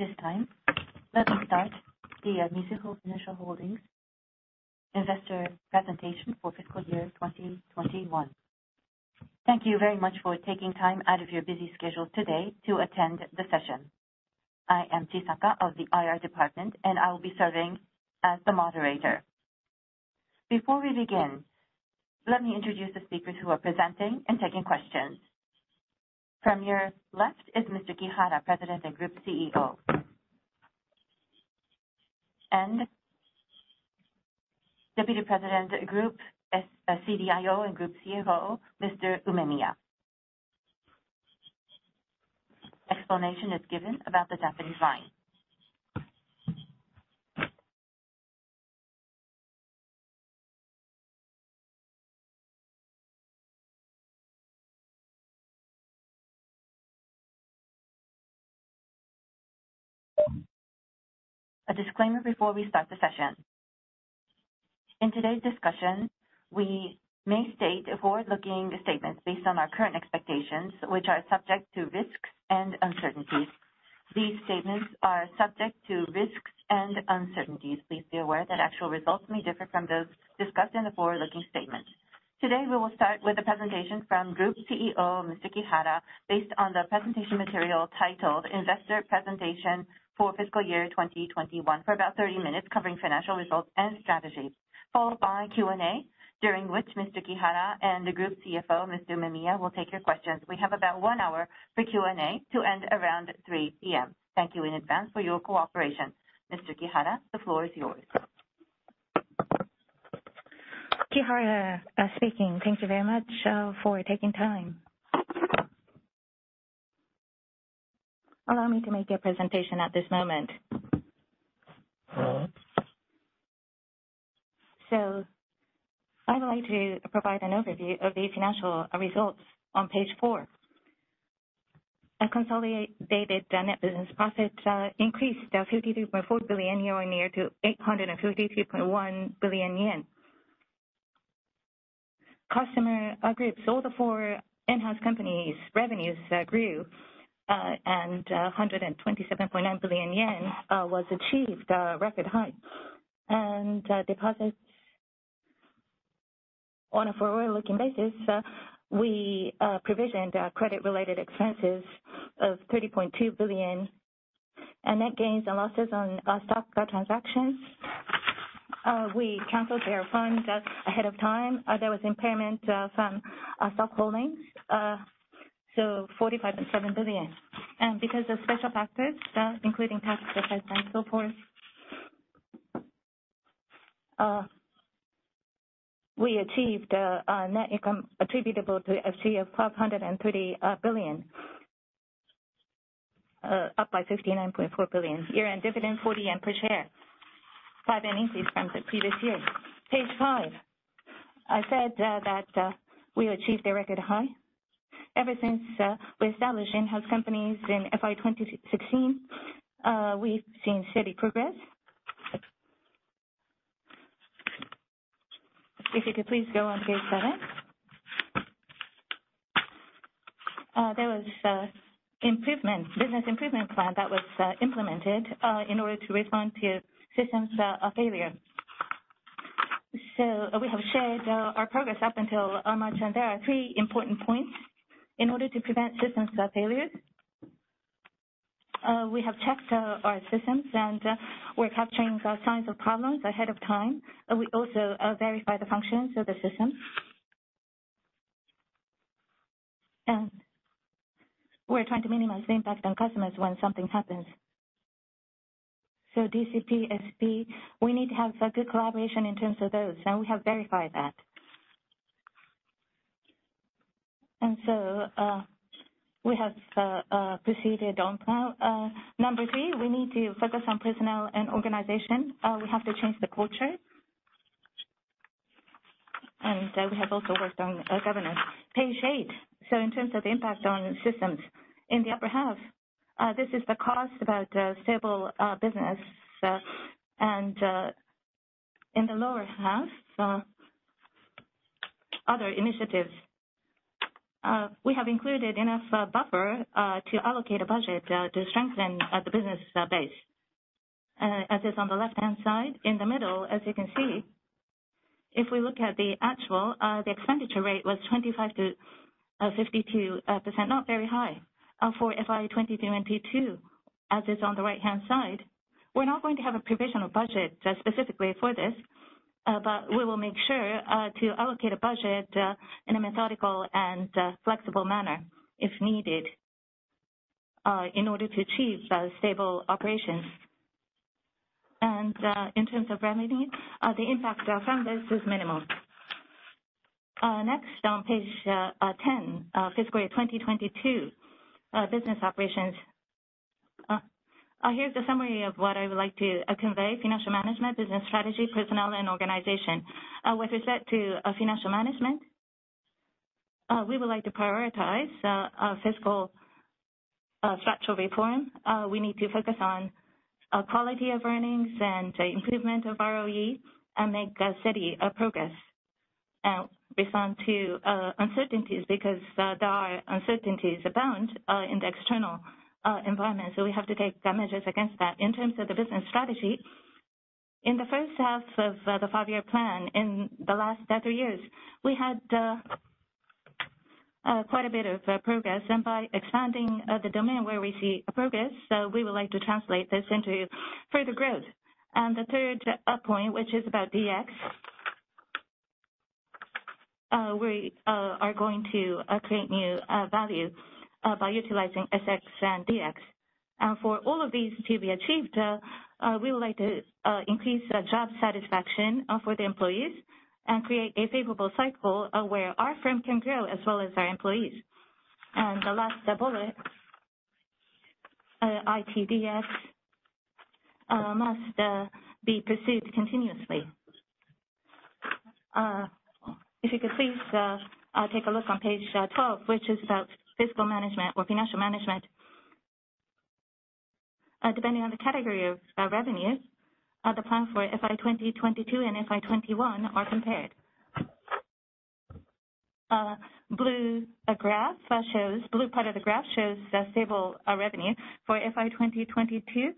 As it is time, let me start the Mizuho Financial Group investor presentation for fiscal year 2021. Thank you very much for taking time out of your busy schedule today to attend the session. I am Tasaki of the IR Department, and I will be serving as the moderator. Before we begin, let me introduce the speakers who are presenting and taking questions. From your left is Mr. Kihara, President and Group CEO. Deputy President, Group CDIO and Group CFO, Mr. Umemiya. Explanation is given about the Japanese line. A disclaimer before we start the session. In today's discussion, we may state forward-looking statements based on our current expectations, which are subject to risks and uncertainties. These statements are subject to risks and uncertainties. Please be aware that actual results may differ from those discussed in the forward-looking statements. Today, we will start with a presentation from Group CEO, Mr. Kihara, based on the presentation material titled Investor Presentation for Fiscal Year 2021 for about 30 minutes, covering financial results and strategies, followed by Q&A, during which Mr. Kihara and the Group CFO, Mr. Umemiya, will take your questions. We have about one hour for Q&A to end around 3:00P.M. Thank you in advance for your cooperation. Mr. Kihara, the floor is yours. Thank you very much for taking time. Allow me to make a presentation at this moment. I'd like to provide an overview of the financial results on page four. A consolidated net business profit increased to 53.4 billion year on year to 853.1 billion yen. Customer groups, all the four in-house companies revenues grew and 127.9 billion yen was achieved, a record high. Deposits on a forward-looking basis, we provisioned credit related expenses of 30.2 billion and net gains and losses on stock transactions. We canceled their funds ahead of time. There was impairment from stock holdings, so 45.7 billion. Because of special factors, including tax effects and so forth, we achieved a net income attributable to FG of 530 billion, up by 59.4 billion. Year-end dividend, 40 yen per share, 5 increase from the previous year. Page five. I said that we achieved a record high. Ever since we established in-house companies in FY 2016, we've seen steady progress. If you could please go on page seven. There was a business improvement plan that was implemented in order to respond to systems failure. We have shared our progress up until March, and there are three important points in order to prevent systems failures. We have checked our systems and we're capturing signs of problems ahead of time. We also verify the functions of the system. We're trying to minimize the impact on customers when something happens. BCP, SB, we need to have a good collaboration in terms of those, and we have verified that. We have proceeded on number three. We need to focus on personnel and organization. We have to change the culture. We have also worked on a governance. Page eight. In terms of the impact on systems in the upper half, this is the cost about stable business, and in the lower half, other initiatives. We have included enough buffer to allocate a budget to strengthen the business base as is on the left-hand side. In the middle, as you can see, if we look at the actual expenditure rate was 25%-52%, not very high for FY 2022. As shown on the right-hand side, we're not going to have a provisional budget specifically for this, but we will make sure to allocate a budget in a methodical and flexible manner if needed in order to achieve stable operations. In terms of remedy, the impact from this is minimal. Next on page 10, fiscal year 2022 business operations. Here's the summary of what I would like to convey, financial management, business strategy, personnel, and organization. With respect to financial management, we would like to prioritize a fiscal structural reform. We need to focus on a quality of earnings and improvement of ROE and make a steady progress and respond to uncertainties because there are uncertainties abound in the external environment. We have to take measures against that. In terms of the business strategy, in the first half of the five-year plan in the last three years, we had quite a bit of progress. By expanding the domain where we see progress, so we would like to translate this into further growth. The third point, which is about DX, we are going to create new value by utilizing SX and DX. For all of these to be achieved, we would like to increase the job satisfaction for the employees and create a favorable cycle where our firm can grow as well as our employees. The last bullet, IT/DX, must be pursued continuously. If you could please take a look on page 12, which is about fiscal management or financial management. Depending on the category of revenues, the plan for FY 2022 and FY 2021 are compared. The blue part of the graph shows the stable revenue. For FY 2022,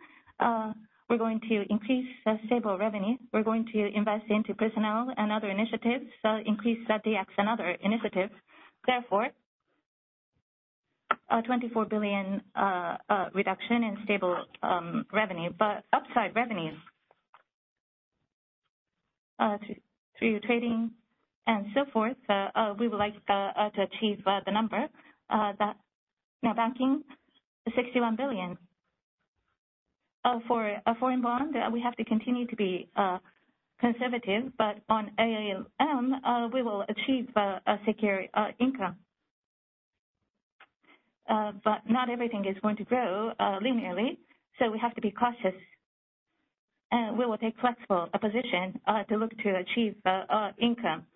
we're going to increase the stable revenue. We're going to invest into personnel and other initiatives, so increase the DX and other initiatives. Therefore, a 24 billion reduction in stable revenue. Upside revenues through trading and so forth, we would like to achieve the number that non-banking 61 billion. For foreign bonds, we have to continue to be conservative, but on AUM, we will achieve a secure income. Not everything is going to grow linearly, so we have to be cautious. We will take flexible position to look to achieve income.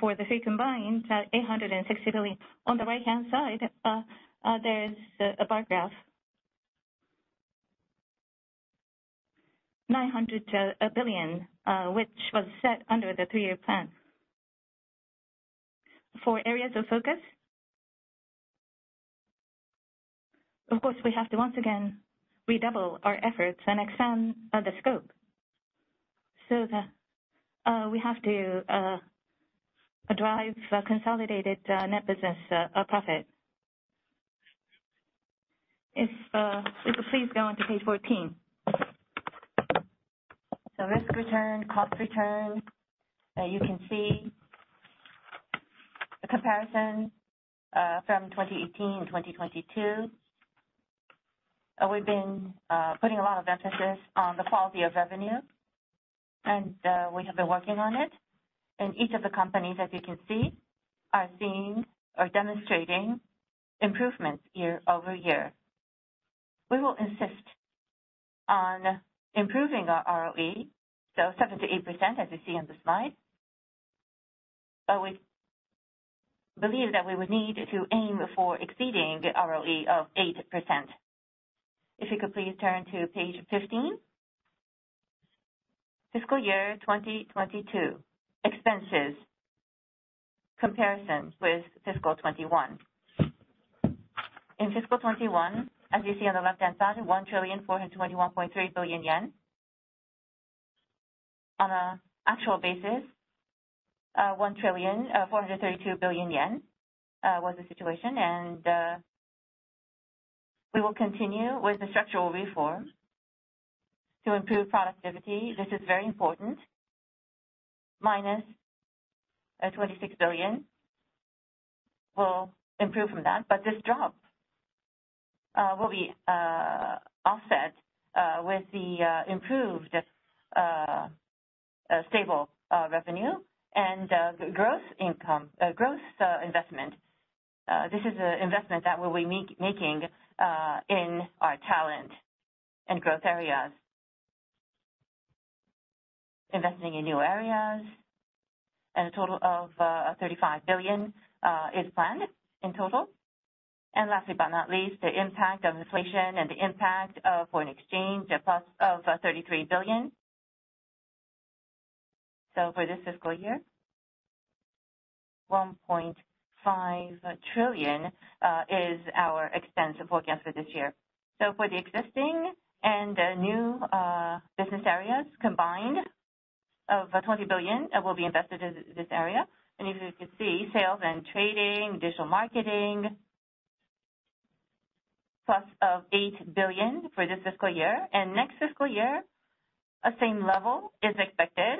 For the three combined, 860 billion. On the right-hand side, there's a bar graph. 900 billion, which was set under the three-year plan. For areas of focus, of course, we have to once again redouble our efforts and expand the scope. We have to drive consolidated net business profit. If you please go on to page 14. Risk-return, ROE return. You can see the comparison from 2018 to 2022. We've been putting a lot of emphasis on the quality of revenue, and we have been working on it. Each of the companies, as you can see, are seeing or demonstrating improvements year-over-year. We will insist on improving our ROE, so 7%-8%, as you see on the slide. We believe that we would need to aim for exceeding the ROE of 8%. If you could please turn to page 15. Fiscal year 2022 expenses comparison with fiscal 2021. In fiscal 2021, as you see on the left-hand side, 1,421.3 billion yen. On an actual basis, 1 trillion 432 billion yen was the situation. We will continue with the structural reforms to improve productivity. This is very important. Minus 26 billion. We'll improve from that. This drop will be offset with the improved stable revenue and growth investment. This is an investment that we'll be making in our talent and growth areas. Investing in new areas, and a total of 35 billion is planned in total. Lastly, but not least, the impact of inflation and the impact of foreign exchange, a plus of 33 billion. For this fiscal year, JPY 1.5 trillion is our expense forecast for this year. For the existing and new business areas combined, 20 billion will be invested in this area. If you could see sales and trading, digital marketing, plus 8 billion for this fiscal year. Next fiscal year, a same level is expected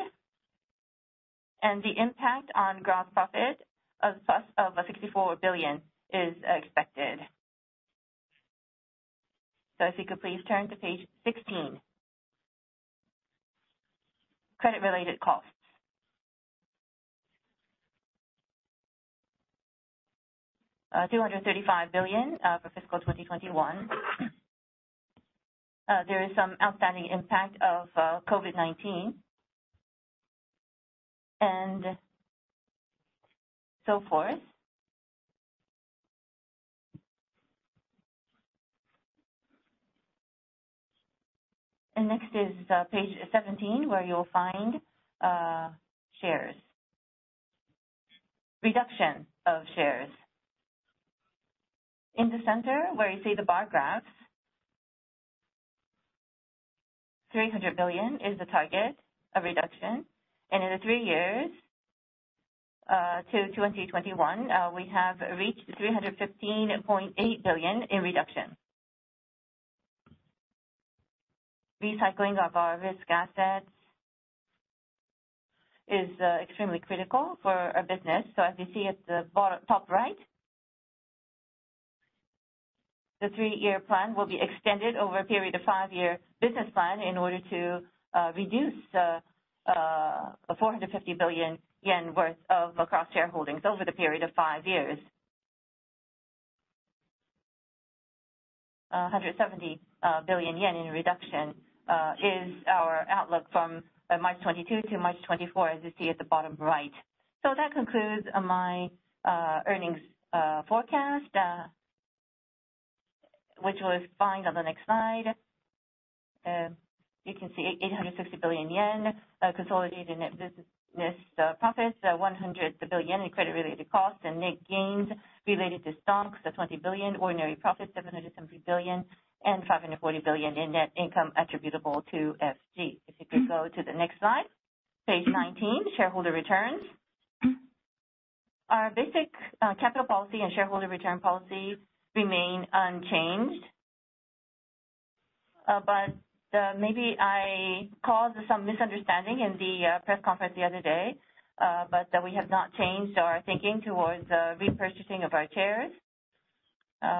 and the impact on gross profit of plus 64 billion is expected. If you could please turn to page 16. Credit related costs. JPY 235 billion for fiscal 2021. There is some outstanding impact of COVID-19. So forth. Next is page 17, where you'll find shares. Reduction of shares. In the center, where you see the bar graphs, 300 billion is the target of reduction. In the three years till 2021, we have reached 315.8 billion in reduction. Recycling of our risk assets is extremely critical for our business, so as you see at the top right, the three-year plan will be extended over a period of five-year business plan in order to reduce 450 billion yen worth of cross-shareholdings over the period of five years. 170 billion yen in reduction is our outlook from March 2022 to March 2024, as you see at the bottom right. That concludes my earnings forecast, which we'll find on the next slide. You can see 860 billion yen consolidated net business profits, 100 billion in credit-related costs, and net gains related to stocks of 20 billion, ordinary profits 770 billion, and 540 billion in net income attributable to FG. If you could go to the next slide, page 19, shareholder returns. Our basic capital policy and shareholder return policy remain unchanged. But maybe I caused some misunderstanding in the press conference the other day, but we have not changed our thinking towards the repurchasing of our shares.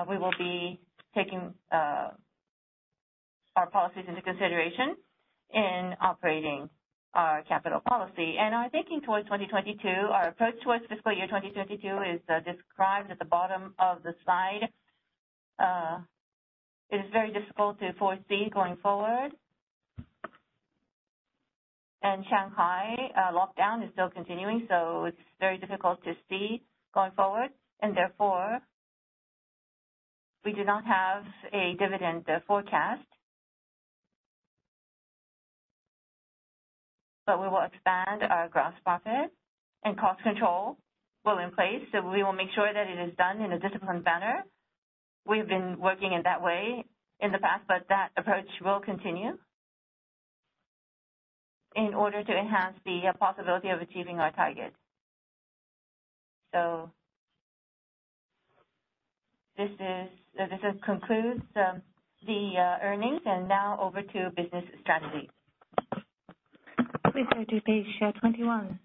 We will be taking our policies into consideration in operating our capital policy. Our thinking towards 2022, our approach towards fiscal year 2022 is described at the bottom of the slide. It is very difficult to foresee going forward. Shanghai lockdown is still continuing, so it's very difficult to see going forward. Therefore, we do not have a dividend forecast. We will expand our gross profit and cost control will in place, so we will make sure that it is done in a disciplined manner. We've been working in that way in the past, but that approach will continue in order to enhance the possibility of achieving our targets. This concludes the earnings. Now over to business strategy. Please go to page 21.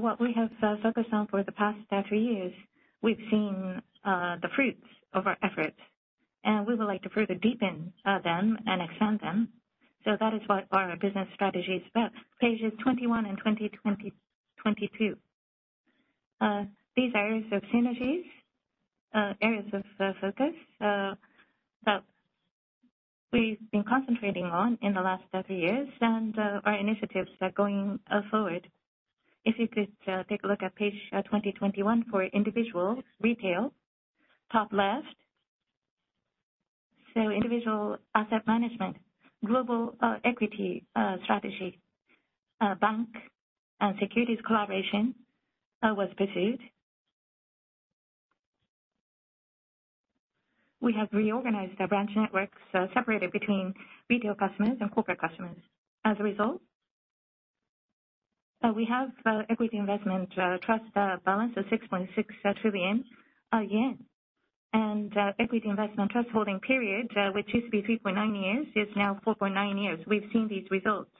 What we have focused on for the past three years, we've seen the fruits of our efforts, and we would like to further deepen them and extend them. That is what our business strategy is about. Pages 21 and 22. These areas of synergies, areas of focus that we've been concentrating on in the last three years and our initiatives are going forward. If you could take a look at page 21 for individuals, retail, top left. Individual asset management, global equity strategy, bank and securities collaboration was pursued. We have reorganized our branch networks, separated between retail customers and corporate customers. As a result, we have equity investment trust balance of 6.6 trillion yen. Equity investment trust holding period, which used to be 3.9 years, is now 4.9 years. We've seen these results.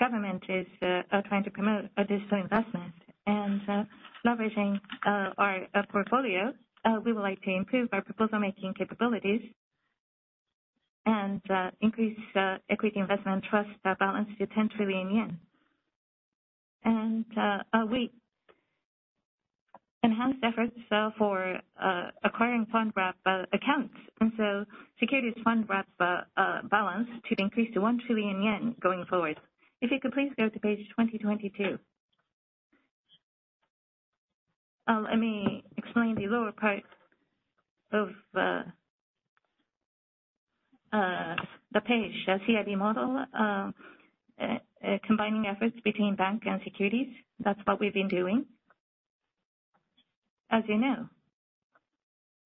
Government is trying to promote additional investment. Leveraging our portfolio, we would like to improve our proposal-making capabilities and increase equity investment trust balance to 10 trillion yen. We enhanced efforts for acquiring fund wrap accounts, and securities fund wrap balance should increase to 1 trillion yen going forward. If you could please go to page 22. Let me explain the lower part of the page. CIB model, combining efforts between bank and securities. That's what we've been doing. As you know,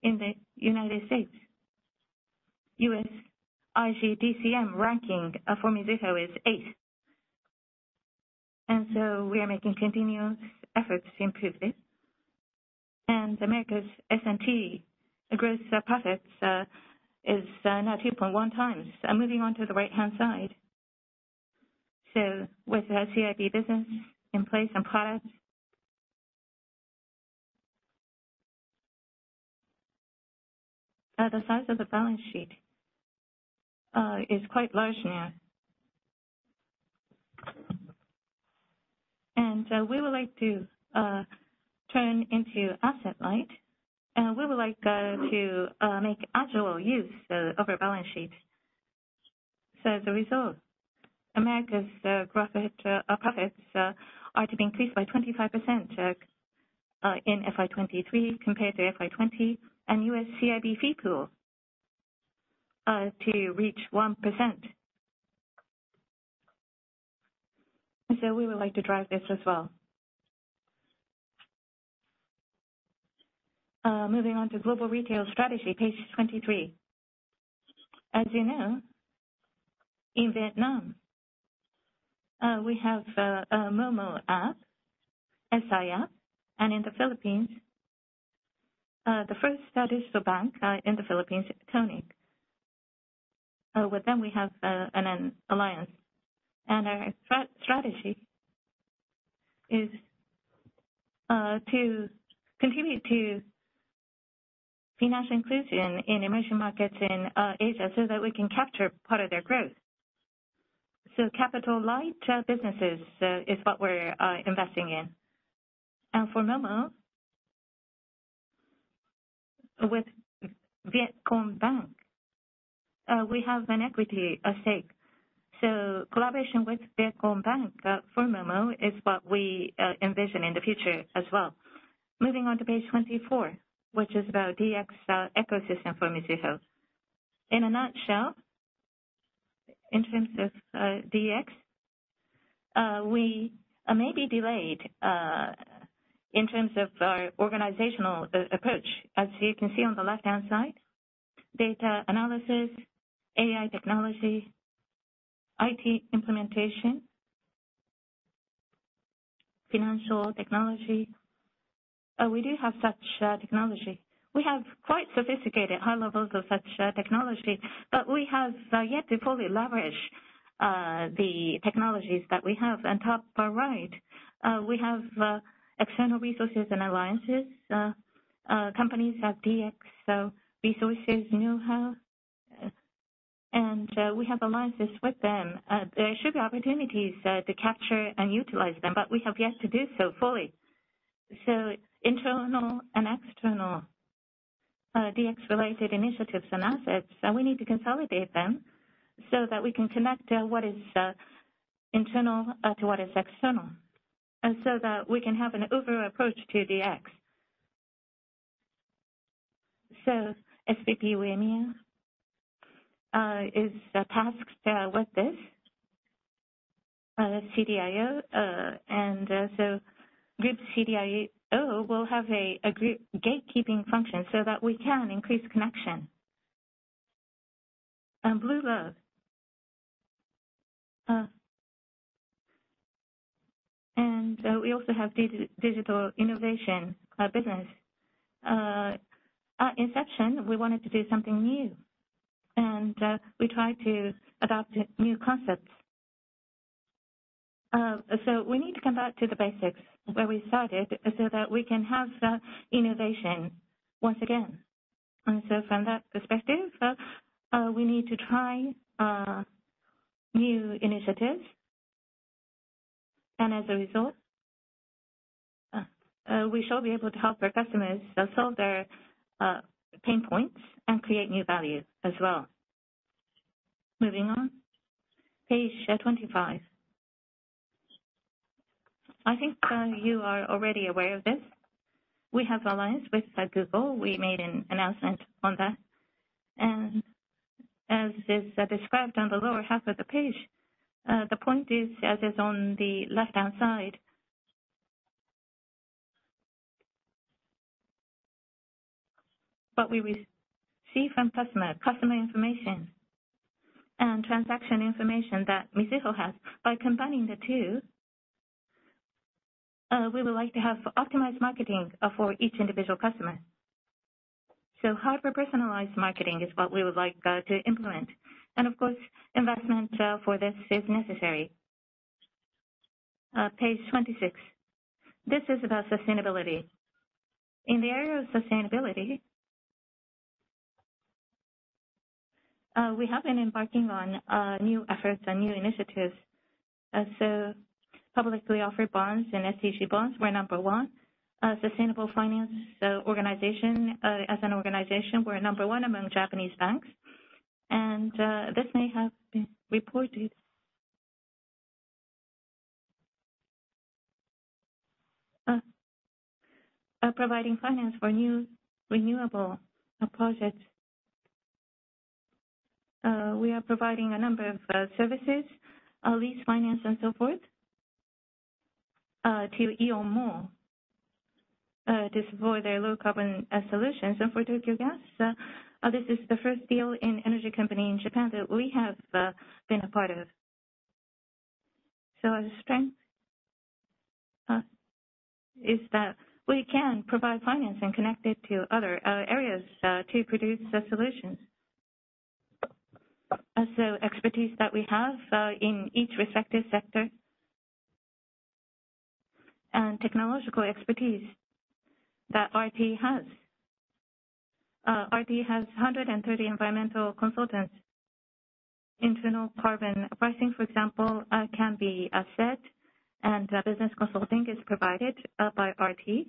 in the United States, US IG DCM ranking for Mizuho is eighth. We are making continuous efforts to improve it. Americas S&T gross profits is now 2.1 times. Moving on to the right-hand side. With our CIB business in place and products, the size of the balance sheet is quite large now. We would like to turn into asset light, and we would like to make agile use of our balance sheet. As a result, Americas profit, our profits are to be increased by 25% in FY 2023 compared to FY 2020, and USCIB fee pool to reach 1%. We would like to drive this as well. Moving on to global retail strategy, page 23. As you know, in Vietnam, we have a MoMo app, Saia, and in the Philippines, the first digital bank in the Philippines, Tonik. With them, we have an alliance. Our strategy is to continue to financial inclusion in emerging markets in Asia, so that we can capture part of their growth. Capital light businesses is what we're investing in. And for MoMo, with Vietcombank, we have an equity at stake. Collaboration with Vietcombank for MoMo is what we envision in the future as well. Moving on to page 24, which is about DX ecosystem for Mizuho. In a nutshell, in terms of DX, we may be delayed in terms of our organizational approach. As you can see on the left-hand side, data analysis, AI technology, IT implementation, financial technology. We do have such technology. We have quite sophisticated high levels of such technology, but we have yet to fully leverage the technologies that we have. On top right, we have external resources and alliances. Companies have DX resources, know-how, and we have alliances with them. There should be opportunities to capture and utilize them, but we have yet to do so fully. Internal and external DX-related initiatives and assets, and we need to consolidate them so that we can connect what is internal to what is external, and so that we can have an overall approach to DX. SVP Umemiya is tasked with this CDIO. Group CDIO will have a group gatekeeping function so that we can increase connection. Blue Lab. We also have digital innovation business. At inception, we wanted to do something new and we try to adopt new concepts. We need to come back to the basics where we started so that we can have that innovation once again. From that perspective, we need to try new initiatives. As a result, we shall be able to help our customers solve their pain points and create new value as well. Moving on, page 25. I think you are already aware of this. We have alliance with Google. We made an announcement on that. As is described on the lower half of the page, the point is, as is on the left-hand side. What we receive from customer information and transaction information that Mizuho has. By combining the two, we would like to have optimized marketing for each individual customer. Hyper-personalized marketing is what we would like to implement. Of course, investment for this is necessary. Page 26. This is about sustainability. In the area of sustainability, we have been embarking on new efforts and new initiatives. Publicly offered bonds and ESG bonds, we're number one. Sustainable finance organization. As an organization, we're number one among Japanese banks. This may have been reported. Providing finance for new renewable projects. We are providing a number of services, lease finance and so forth, to Eneos to support their low-carbon solutions. For Tokyo Gas, this is the first deal in energy company in Japan that we have been a part of. Our strength is that we can provide finance and connect it to other areas to produce the solutions. Expertise that we have in each respective sector and technological expertise that IT has. RT has 130 environmental consultants. Internal carbon pricing, for example, can be asset and business consulting is provided by RT.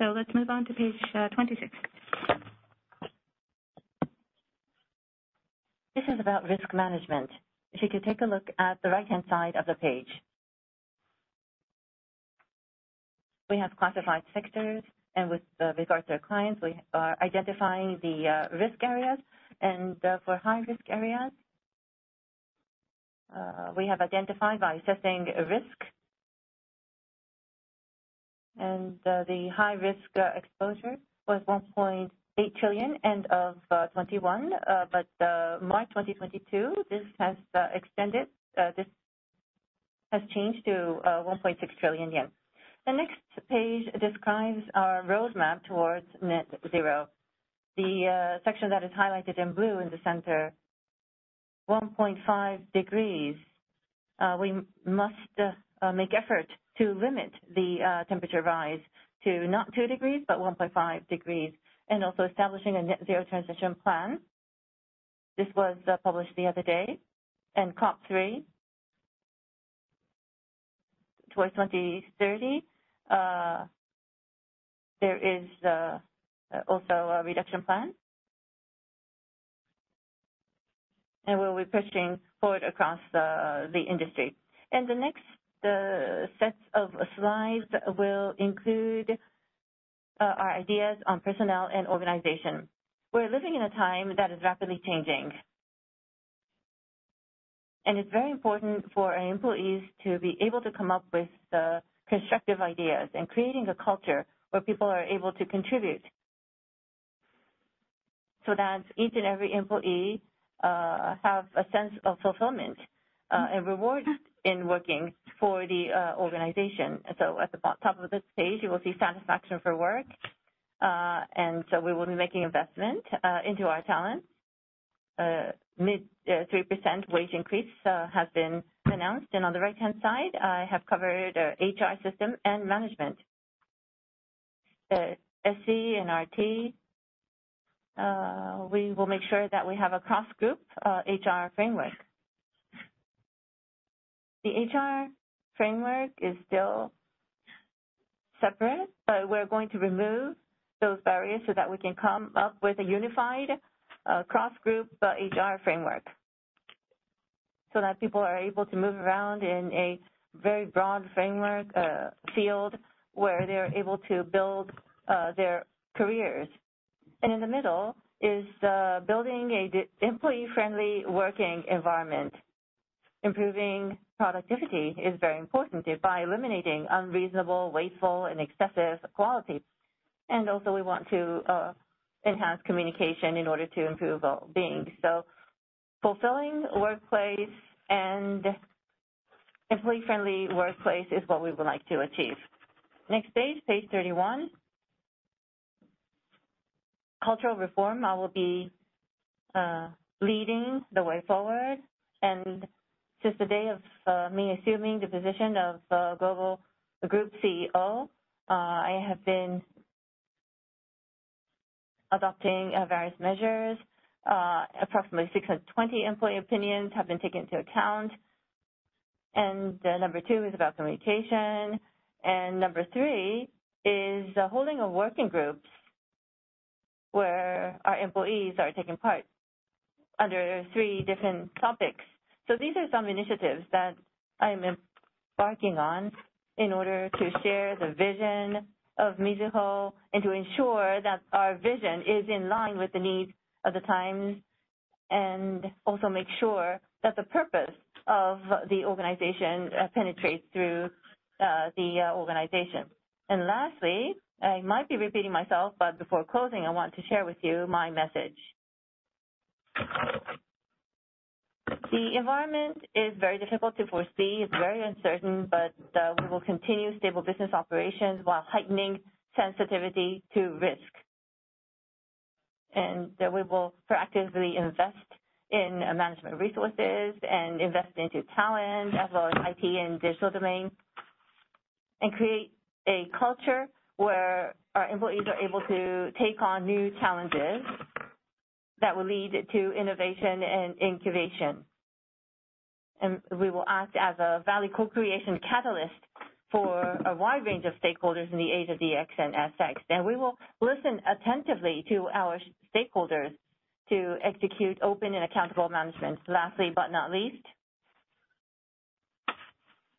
Let's move on to page 26. This is about risk management. If you could take a look at the right-hand side of the page. We have classified sectors and with regards to our clients, we are identifying the risk areas. For high risk areas, we have identified by assessing risk. The high risk exposure was 1.8 trillion end of 2021. March 2022, this has changed to 1.6 trillion yen. The next page describes our roadmap towards net zero. The section that is highlighted in blue in the center, 1.5 degrees. We must make effort to limit the temperature rise to not two degrees, but 1.5 degrees, and also establishing a net zero transition plan. This was published the other day. COP 3 towards 2030. There is also a reduction plan. We'll be pushing forward across the industry. The next set of slides will include our ideas on personnel and organization. We're living in a time that is rapidly changing. It's very important for our employees to be able to come up with constructive ideas and creating a culture where people are able to contribute so that each and every employee have a sense of fulfillment and reward in working for the organization. At the top of this page, you will see satisfaction for work. We will be making investment into our talent. Mid three percent wage increase has been announced. On the right-hand side, I have covered our HR system and management. The SE and RT we will make sure that we have a cross-group HR framework. The HR framework is still separate, but we're going to remove those barriers so that we can come up with a unified cross-group HR framework, so that people are able to move around in a very broad framework field where they're able to build their careers. In the middle is building an employee-friendly working environment. Improving productivity is very important by eliminating unreasonable, wasteful, and excessive quality. Also we want to enhance communication in order to improve well-being. Fulfilling workplace and employee friendly workplace is what we would like to achieve. Next page 31. Cultural reform, I will be leading the way forward. Since the day of me assuming the position of global Group CEO, I have been adopting various measures. Approximately 620 employee opinions have been taken into account. Number two is about communication. Number three is holding a working group where our employees are taking part under three different topics. These are some initiatives that I'm embarking on in order to share the vision of Mizuho and to ensure that our vision is in line with the needs of the time, and also make sure that the purpose of the organization penetrates through the organization. Lastly, I might be repeating myself, but before closing, I want to share with you my message. The environment is very difficult to foresee. It's very uncertain, but we will continue stable business operations while heightening sensitivity to risk. That we will proactively invest in management resources and invest into talent as well as IT and digital domain, and create a culture where our employees are able to take on new challenges that will lead to innovation and incubation. We will act as a value co-creation catalyst for a wide range of stakeholders in the age of DX and SX. We will listen attentively to our stakeholders to execute open and accountable management. Lastly but not least,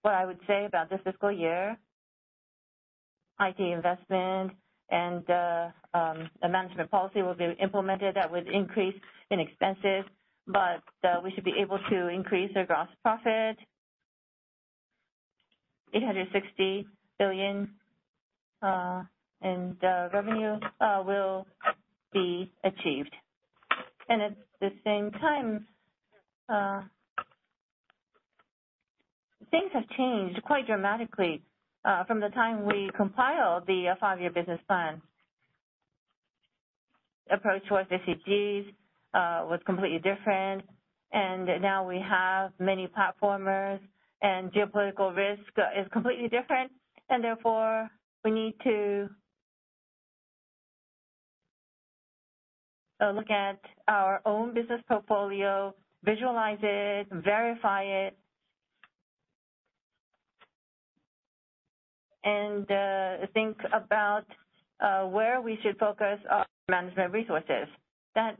what I would say about this fiscal year, IT investment and a management policy will be implemented that would increase in expenses, but we should be able to increase our gross profit. JPY 860 billion in revenue will be achieved. At the same time, things have changed quite dramatically from the time we compiled the five-year business plan. Approach towards ESG was completely different. Now we have many platformers and geopolitical risk is completely different, and therefore we need to look at our own business portfolio, visualize it, verify it. Think about where we should focus our management resources. That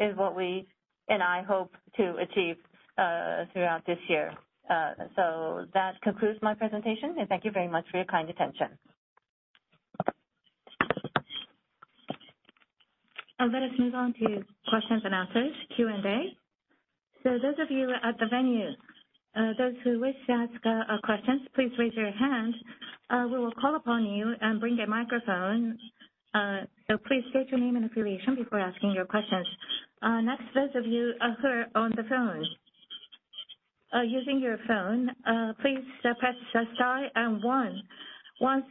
is what we and I hope to achieve throughout this year. That concludes my presentation, and thank you very much for your kind attention. Let us move on to questions and answers, Q&A. Those of you at the venue, those who wish to ask questions, please raise your hand. We will call upon you and bring the microphone. Please state your name and affiliation before asking your questions. Next, those of you who are on the phone using your phone, please press star and one. Once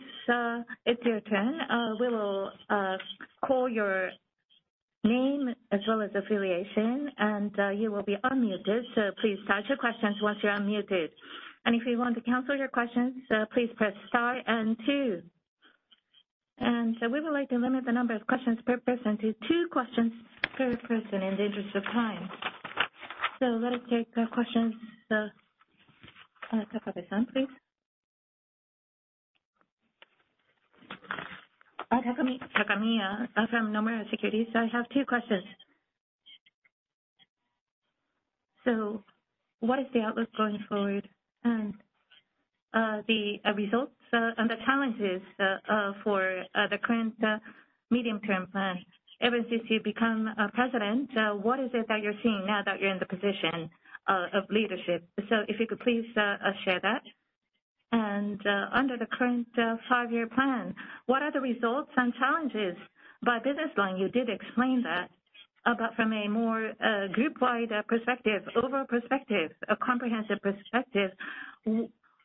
it's your turn, we will call your name as well as affiliation, and you will be unmuted. Please start your questions once you're unmuted. If you want to cancel your questions, please press star and two. We would like to limit the number of questions per person to two questions per person in the interest of time. Let us take questions. Ken Takamiya-san, please. Ken Takamiya. Ken Takamiya from Nomura Securities. I have two questions. What is the outlook going forward and the results and the challenges for the current medium-term plan? Ever since you become president, what is it that you're seeing now that you're in the position of leadership? If you could please share that. Under the current five-year plan, what are the results and challenges? By business line, you did explain that, but from a more group-wide perspective, overall perspective, a comprehensive perspective,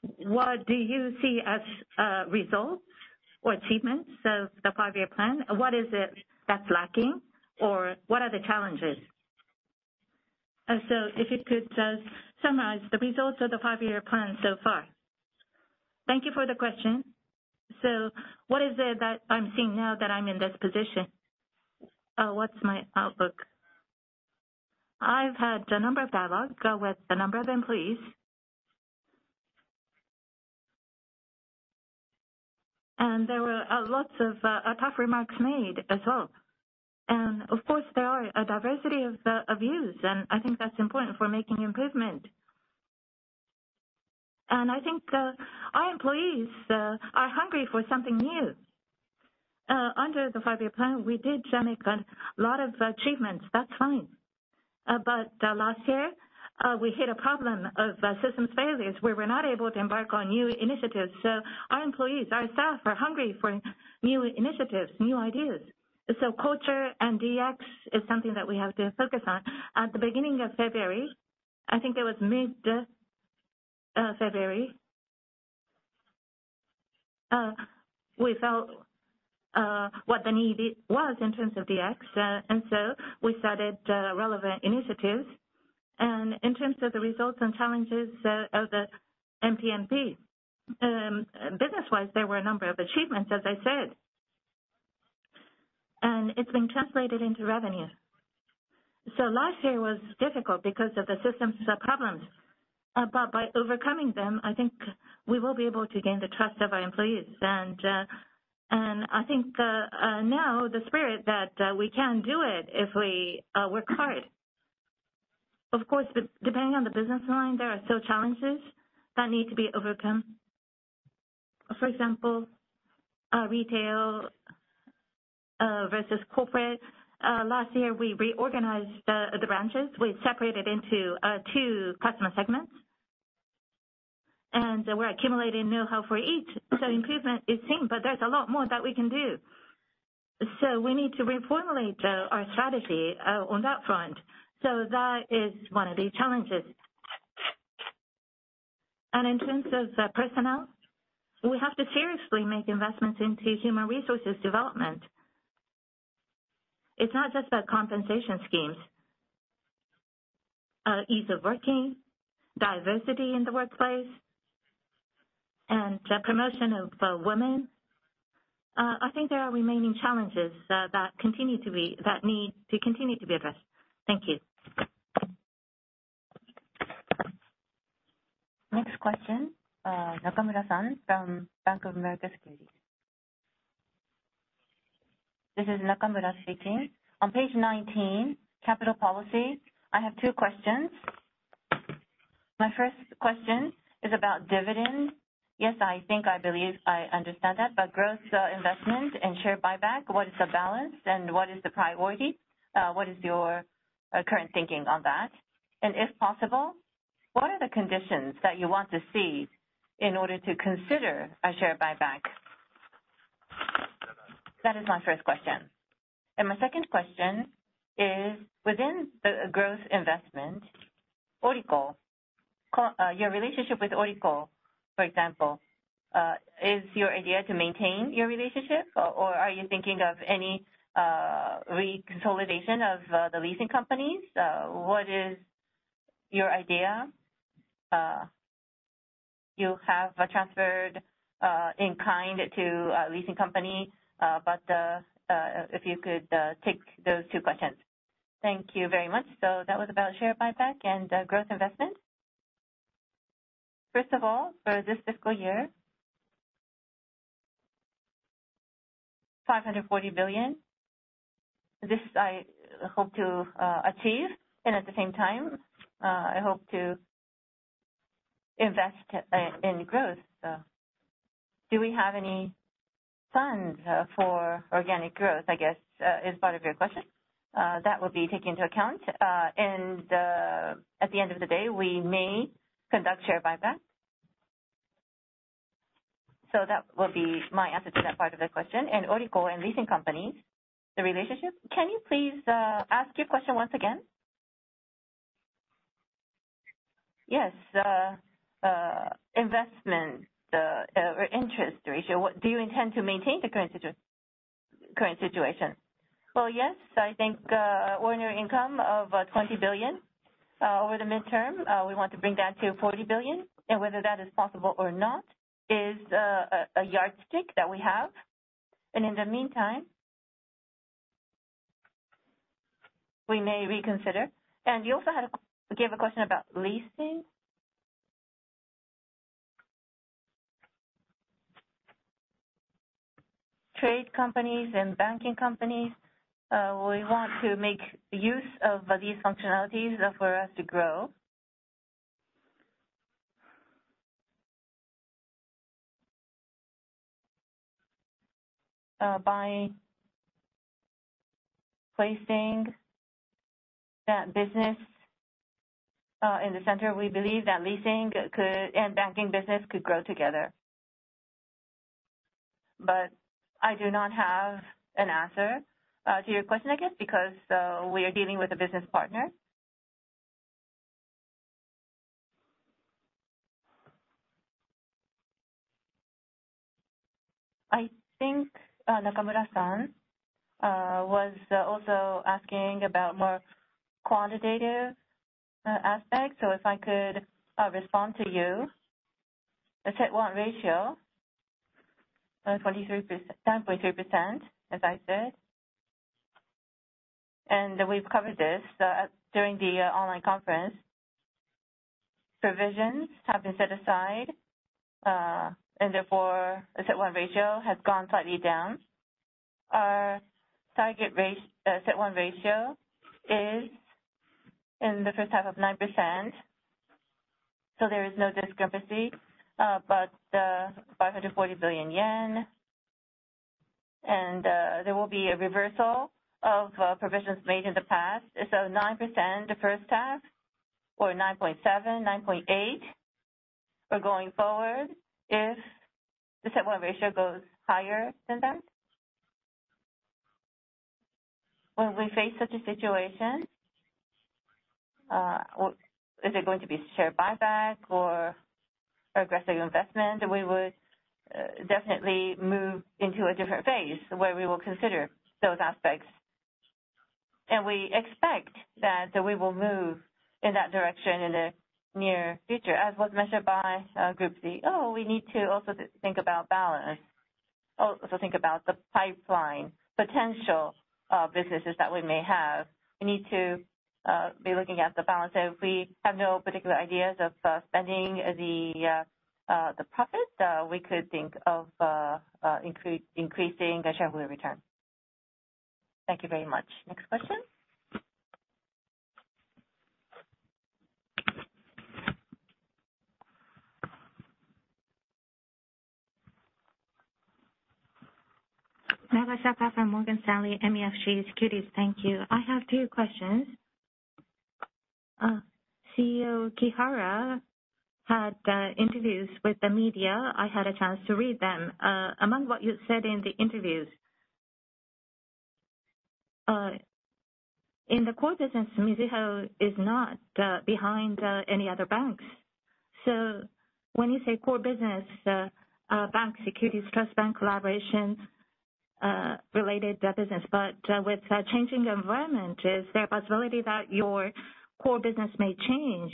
what do you see as results or achievements of the five-year plan? What is it that's lacking or what are the challenges? If you could summarize the results of the five-year plan so far. Thank you for the question. What is it that I'm seeing now that I'm in this position? What's my outlook? I've had a number of dialogues with a number of employees. There were lots of tough remarks made as well. Of course, there are a diversity of views, and I think that's important for making improvement. I think our employees are hungry for something new. Under the five-year plan, we did generate a lot of achievements. That's fine. Last year, we hit a problem of systems failures where we're not able to embark on new initiatives. Our employees, our staff are hungry for new initiatives, new ideas. Culture and DX is something that we have to focus on. At the beginning of February, I think it was mid February, we felt what the need was in terms of DX, and so we started relevant initiatives. In terms of the results and challenges of the medium-term business plan, business-wise, there were a number of achievements, as I said. It's been translated into revenue. Last year was difficult because of the systems problems. By overcoming them, I think we will be able to gain the trust of our employees. I think now the spirit that we can do it if we work hard. Of course, depending on the business line, there are still challenges that need to be overcome. For example, retail versus corporate. Last year we reorganized the branches. We separated into two customer segments. We're accumulating know-how for each, so improvement is seen, but there's a lot more that we can do. We need to reformulate our strategy on that front. That is one of the challenges. In terms of personnel, we have to seriously make investments into human resources development. It's not just about compensation schemes. Ease of working, diversity in the workplace, and the promotion of women. I think there are remaining challenges that need to continue to be addressed. Thank you. Next question, Nakamura-san from BofA Securities. This is Nakamura speaking. On page 19, capital policies, I have two questions. My first question is about dividend. I think I believe I understand that, but growth investment and share buyback, what is the balance and what is the priority? What is your current thinking on that? If possible, what are the conditions that you want to see in order to consider a share buyback? That is my first question. My second question is within the growth investment, ORICO, your relationship with ORICO, for example, is your idea to maintain your relationship or are you thinking of any reconsolidation of the leasing companies? What is your idea? You have transferred in kind to a leasing company. If you could take those two questions. Thank you very much. That was about share buyback and growth investment. First of all, for this fiscal year, 540 billion. This I hope to achieve. At the same time, I hope to invest in growth. Do we have any funds for organic growth, I guess, is part of your question. That will be taken into account. At the end of the day, we may conduct share buyback. That will be my answer to that part of the question. ORICO and leasing companies, the relationship. Can you please ask your question once again? Yes, investment or interest ratio. Do you intend to maintain the current situation? Yes, I think ordinary income of 20 billion over the medium term. We want to bring that to 40 billion. Whether that is possible or not is a yardstick that we have. In the meantime, we may reconsider. You have a question about leasing. Trade companies and banking companies, we want to make use of these functionalities for us to grow. By placing that business in the center, we believe that leasing could and banking business could grow together. But I do not have an answer to your question, I guess, because we are dealing with a business partner. I think Nakamura-san was also asking about more quantitative aspects. If I could respond to you. The CET1 ratio 10.3%, as I said. We've covered this during the online conference. Provisions have been set aside, and therefore, the CET1 ratio has gone slightly down. Our target CET1 ratio is in the first half of 9%, so there is no discrepancy. 540 billion yen and there will be a reversal of provisions made in the past. 9% the first half or 9.7, 9.8, or going forward, if the CET1 ratio goes higher than that. When we face such a situation, is it going to be share buyback or aggressive investment? We would definitely move into a different phase where we will consider those aspects. We expect that we will move in that direction in the near future, as was mentioned by our Group CEO. We need to also think about balance. Also think about the pipeline potential of businesses that we may have. We need to be looking at the balance. If we have no particular ideas of spending the profit, we could think of increasing the shareholder return. Thank you very much. Next question. Mabuchi from Morgan Stanley MUFG Securities. Thank you. I have two questions. CEO Kihara had interviews with the media. I had a chance to read them. Among what you said in the interviews, in the core business, Mizuho is not behind any other banks. When you say core business, bank securities, trust bank collaborations, related business. With changing environment, is there a possibility that your core business may change?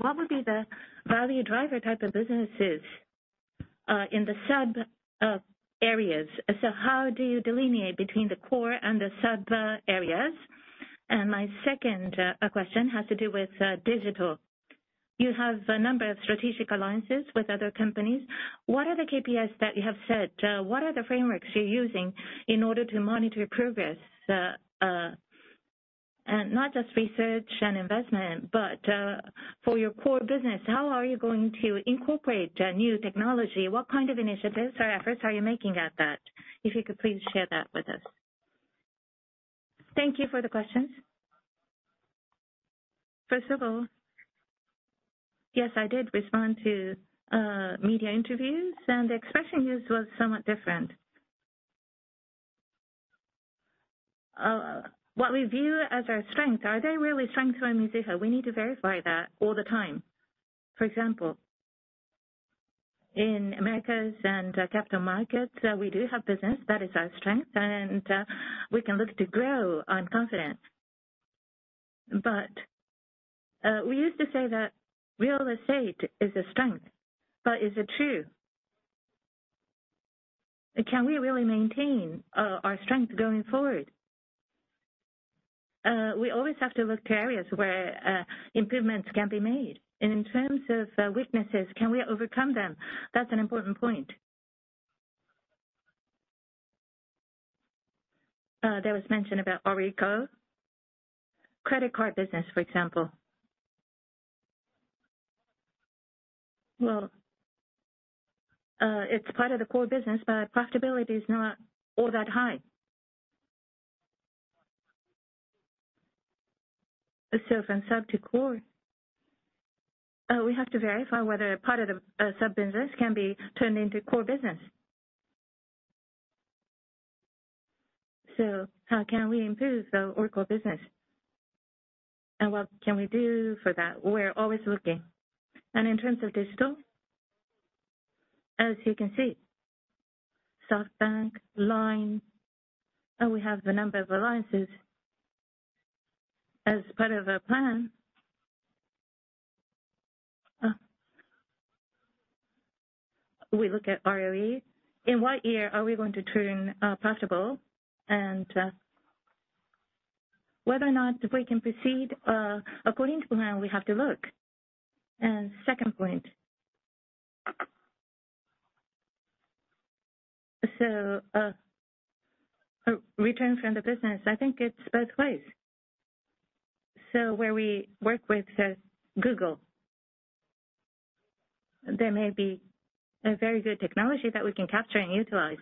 What would be the value driver type of businesses in the sub areas? How do you delineate between the core and the sub areas? My second question has to do with digital. You have a number of strategic alliances with other companies. What are the KPIs that you have set? What are the frameworks you're using in order to monitor progress? Not just research and investment, but for your core business, how are you going to incorporate a new technology? What kind of initiatives or efforts are you making at that? If you could please share that with us. Thank you for the questions. First of all, yes, I did respond to media interviews, and the expression used was somewhat different. What we view as our strengths, are they really strengths for Mizuho? We need to verify that all the time. For example, in Americas and capital markets, we do have business. That is our strength, and we can look to grow on confidence. We used to say that real estate is a strength, but is it true? Can we really maintain our strength going forward? We always have to look to areas where improvements can be made. In terms of weaknesses, can we overcome them? That's an important point. There was mention about ORICO. Credit card business, for example. Well, it's part of the core business, but profitability is not all that high. From sub to core, we have to verify whether part of the sub business can be turned into core business. How can we improve the ORICO business, and what can we do for that? We're always looking. In terms of digital, as you can see, SoftBank Group, LINE Corporation, we have a number of alliances. As part of our plan, we look at ROE. In what year are we going to turn profitable? Whether or not we can proceed according to plan, we have to look. Second point. Returns from the business, I think it's both ways. Where we work with, say, Google, there may be a very good technology that we can capture and utilize.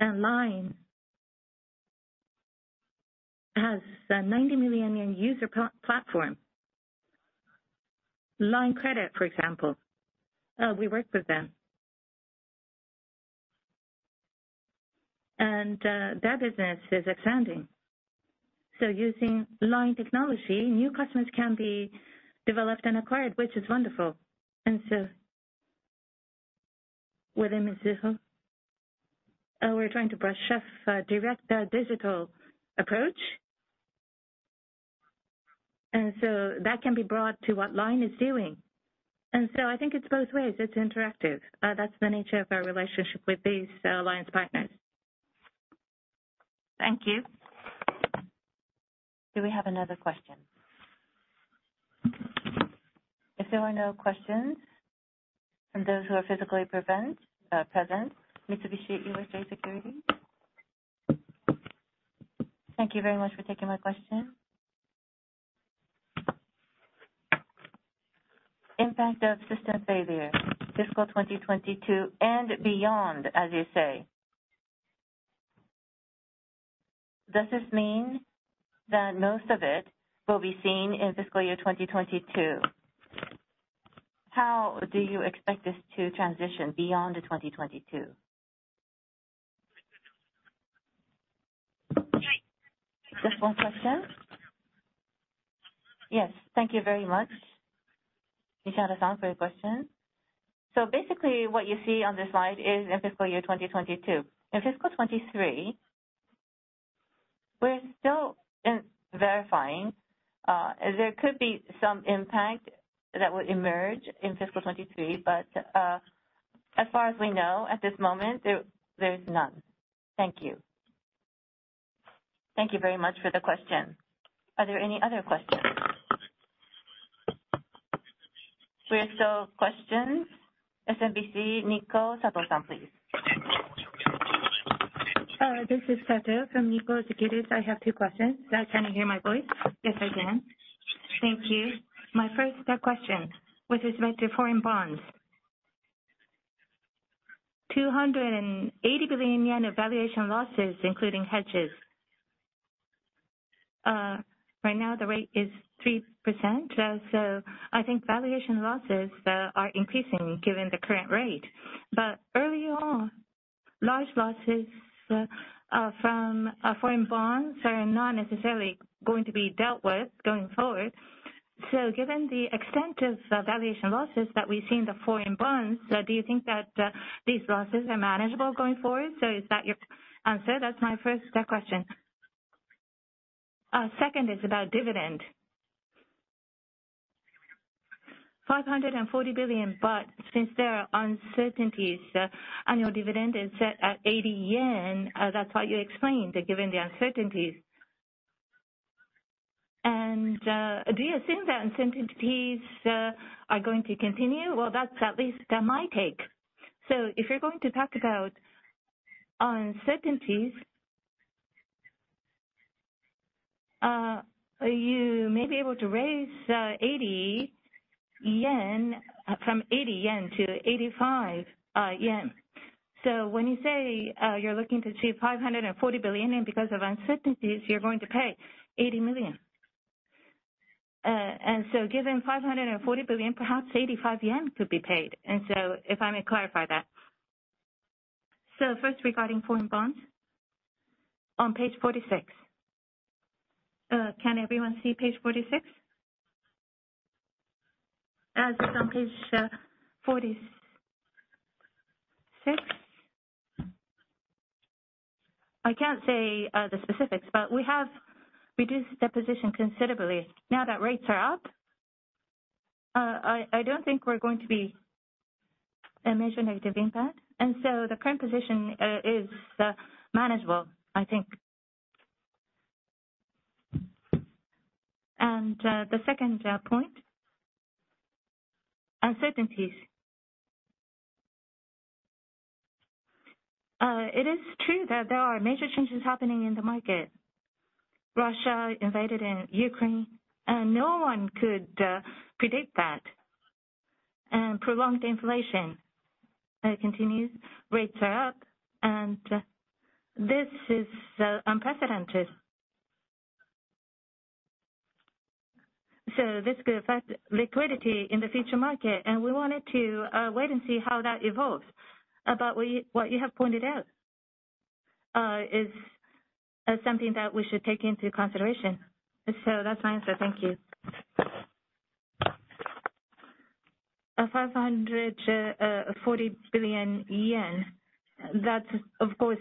LINE Corporation has a 90 million user platform. LINE Credit, for example, we work with them. Their business is expanding. Using LINE Corporation technology, new customers can be developed and acquired, which is wonderful. Within Mizuho, we're trying to push out a direct digital approach. That can be brought to what LINE is doing. I think it's both ways. It's interactive. That's the nature of our relationship with these alliance partners. Thank you. Do we have another question? If there are no questions from those who are physically present, Mitsubishi UFJ Morgan Stanley Securities. Thank you very much for taking my question. Impact of system failure, fiscal 2022 and beyond, as you say. Does this mean that most of it will be seen in fiscal year 2022? How do you expect this to transition beyond 2022? Just one question? Yes. Thank you very much, Nishida-san, for your question. Basically, what you see on the slide is in fiscal year 2022. In fiscal 2023, we're still verifying, there could be some impact that would emerge in fiscal 2023, but, as far as we know at this moment, there's none. Thank you. Thank you very much for the question. Are there any other questions? If there's no questions, SMBC Nikko, Sato-san, please. This is Sato from SMBC Nikko Securities. I have two questions. Can you hear my voice? Yes, I can. Thank you. My first question with respect to foreign bonds. 280 billion yen of valuation losses, including hedges. Right now the rate is 3%, so I think valuation losses are increasing given the current rate. Early on, large losses from foreign bonds are not necessarily going to be dealt with going forward. Given the extent of valuation losses that we've seen in the foreign bonds, do you think that these losses are manageable going forward? Is that your answer? That's my first question. Second is about dividend. 540 billion, but since there are uncertainties, annual dividend is set at 80 yen. That's what you explained, given the uncertainties. Do you think the uncertainties are going to continue? Well, that's at least my take. If you're going to talk about uncertainties, you may be able to raise from 80 yen to 85 yen. When you say you're looking to achieve 540 billion, and because of uncertainties, you're going to pay 80 million. Given 540 billion, perhaps 85 yen could be paid. If I may clarify that. First, regarding foreign bonds, on page 46. Can everyone see page 46? As on page 46, I can't say the specifics, but we have reduced the position considerably now that rates are up. I don't think we're going to be a major negative impact, and the current position is manageable, I think. The second point, uncertainties. It is true that there are major changes happening in the market. Russia invaded in Ukraine, and no one could predict that. Prolonged inflation continues. Rates are up, and this is unprecedented. This could affect liquidity in the future market, and we wanted to wait and see how that evolves. About what you have pointed out is something that we should take into consideration. That's my answer. Thank you. 540 billion yen. That's of course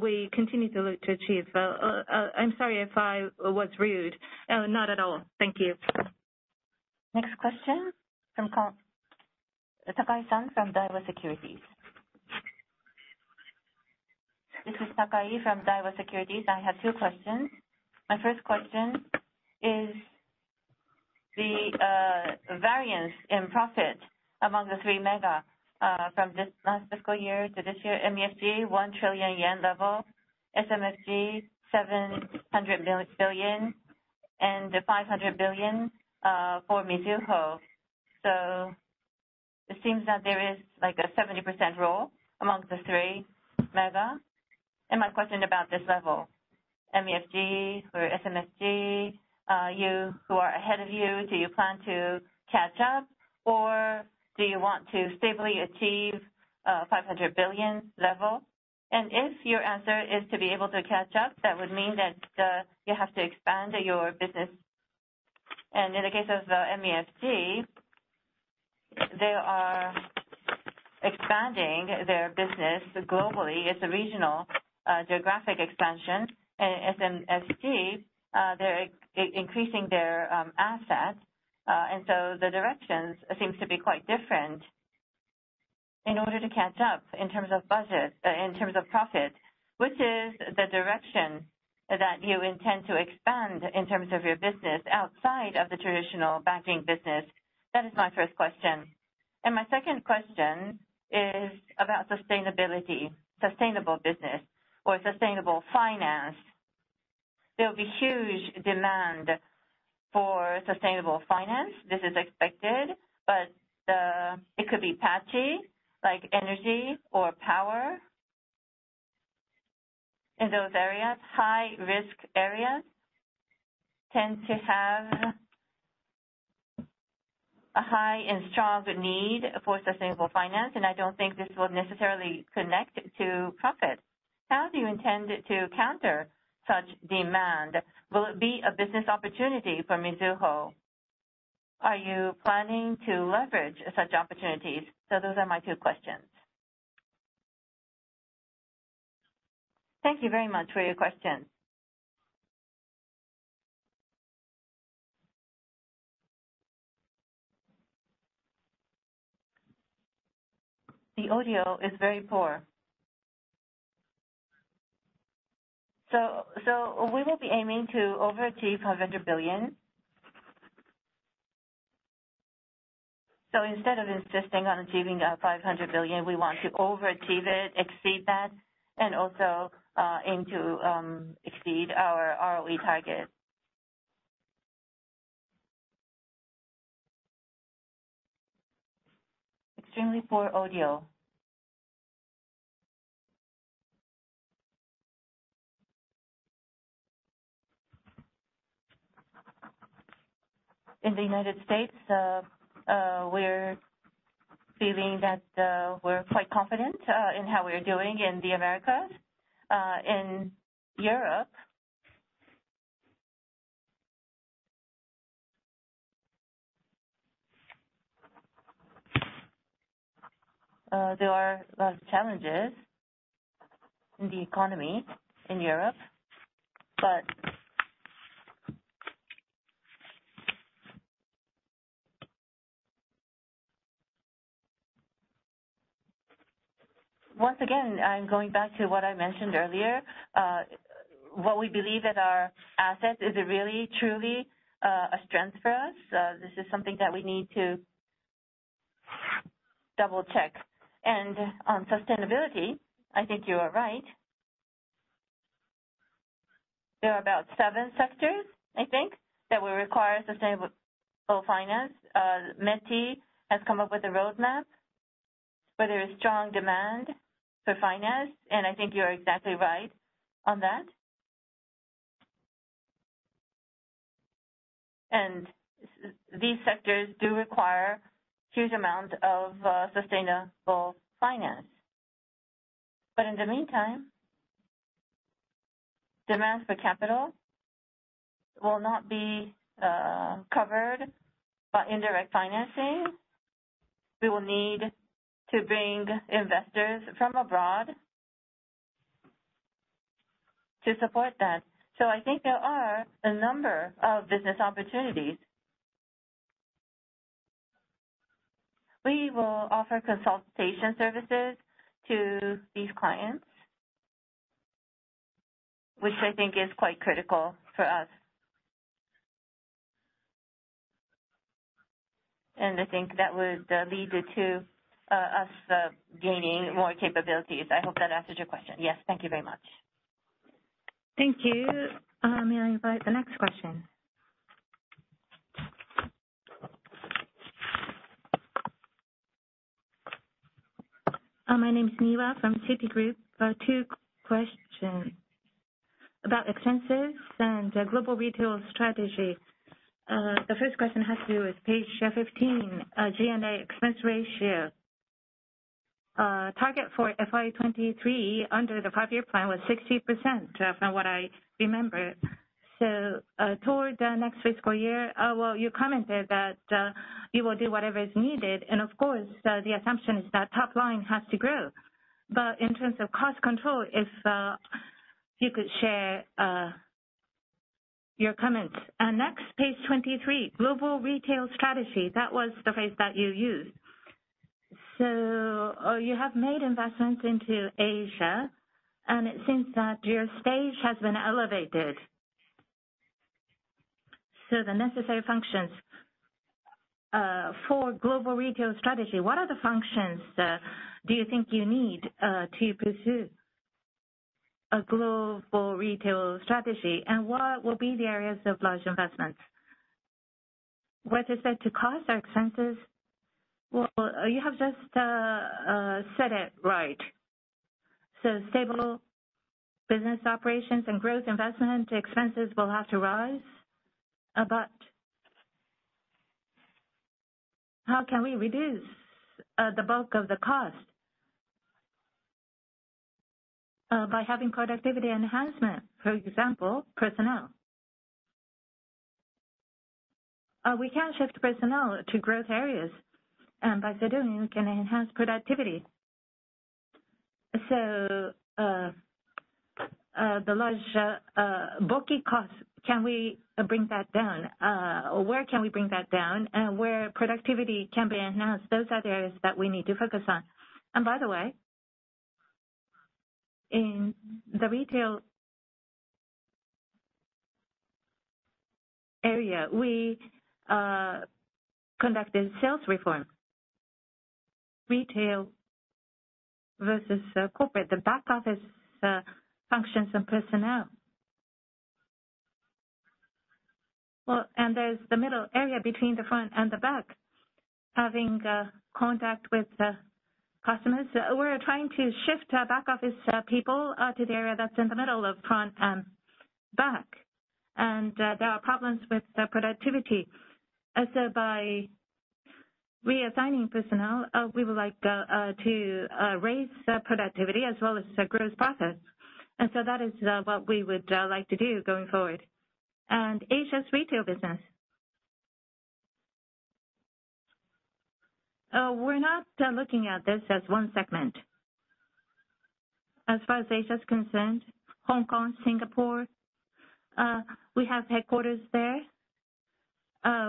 we continue to look to achieve. I'm sorry if I was rude. Not at all. Thank you. Next question from Takai-san from Daiwa Securities. This is Takai from Daiwa Securities. I have two questions. My first question is the variance in profit among the three mega from this last fiscal year to this year, MUFG 1 trillion yen level, SMFG 700 billion, and 500 billion for Mizuho. It seems that there is like a 70% role among the three mega. My question about this level, MUFG or SMFG, you who are ahead of you, do you plan to catch up, or do you want to stably achieve 500 billion level? If your answer is to be able to catch up, that would mean that you have to expand your business. In the case of MUFG, they are expanding their business globally. It's a regional geographic expansion. SMFG, they're increasing their assets. The directions seems to be quite different. In order to catch up in terms of budget, in terms of profit, which is the direction that you intend to expand in terms of your business outside of the traditional banking business? That is my first question. My second question is about sustainability, sustainable business or sustainable finance. There will be huge demand for sustainable finance. This is expected, but it could be patchy, like energy or power. In those areas, high-risk areas tend to have a high and strong need for sustainable finance, and I don't think this will necessarily connect to profit. How do you intend to counter such demand? Will it be a business opportunity for Mizuho? Are you planning to leverage such opportunities? Those are my two questions. Thank you very much for your question. The audio is very poor. We will be aiming to overachieve 500 billion. Instead of insisting on achieving 500 billion, we want to overachieve it, exceed that, and also aim to exceed our ROE target. Extremely poor audio. In the United States, we're feeling that we're quite confident in how we're doing in the Americas. In Europe, there are challenges in the economy in Europe. Once again, I'm going back to what I mentioned earlier, what we believe that our assets is really, truly a strength for us. This is something that we need to double-check. On sustainability, I think you are right. There are about seven sectors, I think, that will require sustainable finance. METI has come up with a roadmap. There is strong demand for finance, and I think you're exactly right on that. These sectors do require huge amount of sustainable finance. In the meantime, demand for capital will not be covered by indirect financing. We will need to bring investors from abroad to support that. I think there are a number of business opportunities. We will offer consultation services to these clients, which I think is quite critical for us. I think that would lead to us gaining more capabilities. I hope that answers your question. Yes. Thank you very much. Thank you. May I invite the next question? My name is Mita from Citigroup. Two questions about expenses and global retail strategy. The first question has to do with page 15, G&A expense ratio. Target for FY 2023 under the five-year plan was 60%, from what I remember. Toward the next fiscal year, well, you commented that you will do whatever is needed, and of course, the assumption is that top line has to grow. In terms of cost control, if you could share your comments. Next, page 23, global retail strategy. That was the phrase that you used. You have made investments into Asia, and it seems that your stage has been elevated. The necessary functions for global retail strategy, what are the functions do you think you need to pursue a global retail strategy, and what will be the areas of large investments? With respect to cost or expenses? Well, you have just said it right. Stable business operations and growth investment expenses will have to rise. How can we reduce the bulk of the cost? By having productivity enhancement, for example, personnel. We can shift personnel to growth areas, and by so doing, we can enhance productivity. The large bulky costs, can we bring that down? Where can we bring that down? Where productivity can be enhanced, those are areas that we need to focus on. By the way, in the retail area, we conducted sales reform. Retail versus corporate, the back office functions and personnel. Well, and there's the middle area between the front and the back, having contact with the customers. We're trying to shift back office people to the area that's in the middle of front and back. There are problems with the productivity. By reassigning personnel, we would like to raise the productivity as well as the growth process. That is what we would like to do going forward. Asia's retail business. We're not looking at this as one segment. As far as Asia is concerned, Hong Kong, Singapore, we have headquarters there.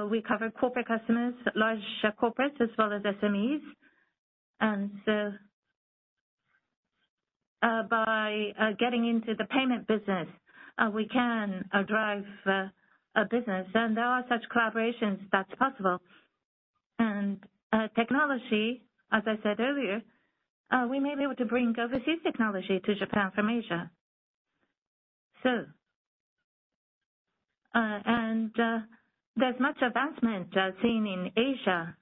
We cover corporate customers, large corporates, as well as SMEs. By getting into the payment business, we can drive a business, and there are such collaborations that's possible. Technology, as I said earlier, we may be able to bring overseas technology to Japan from Asia. There's much advancement seen in Asia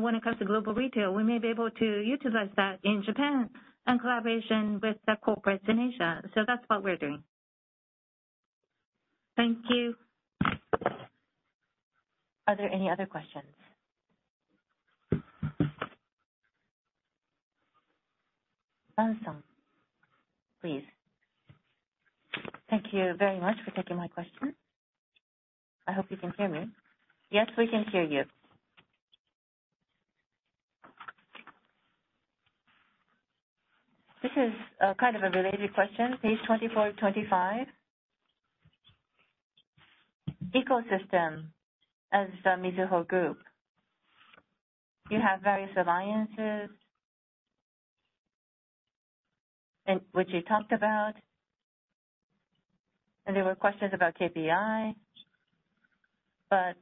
when it comes to global retail. We may be able to utilize that in Japan in collaboration with the corporates in Asia. That's what we're doing. Thank you. Are there any other questions? Awesome. Please. Thank you very much for taking my question. I hope you can hear me. Yes, we can hear you. This is kind of a related question. Page 24, 25. Ecosystem as the Mizuho Group. You have various alliances, and which you talked about, and there were questions about KPI. But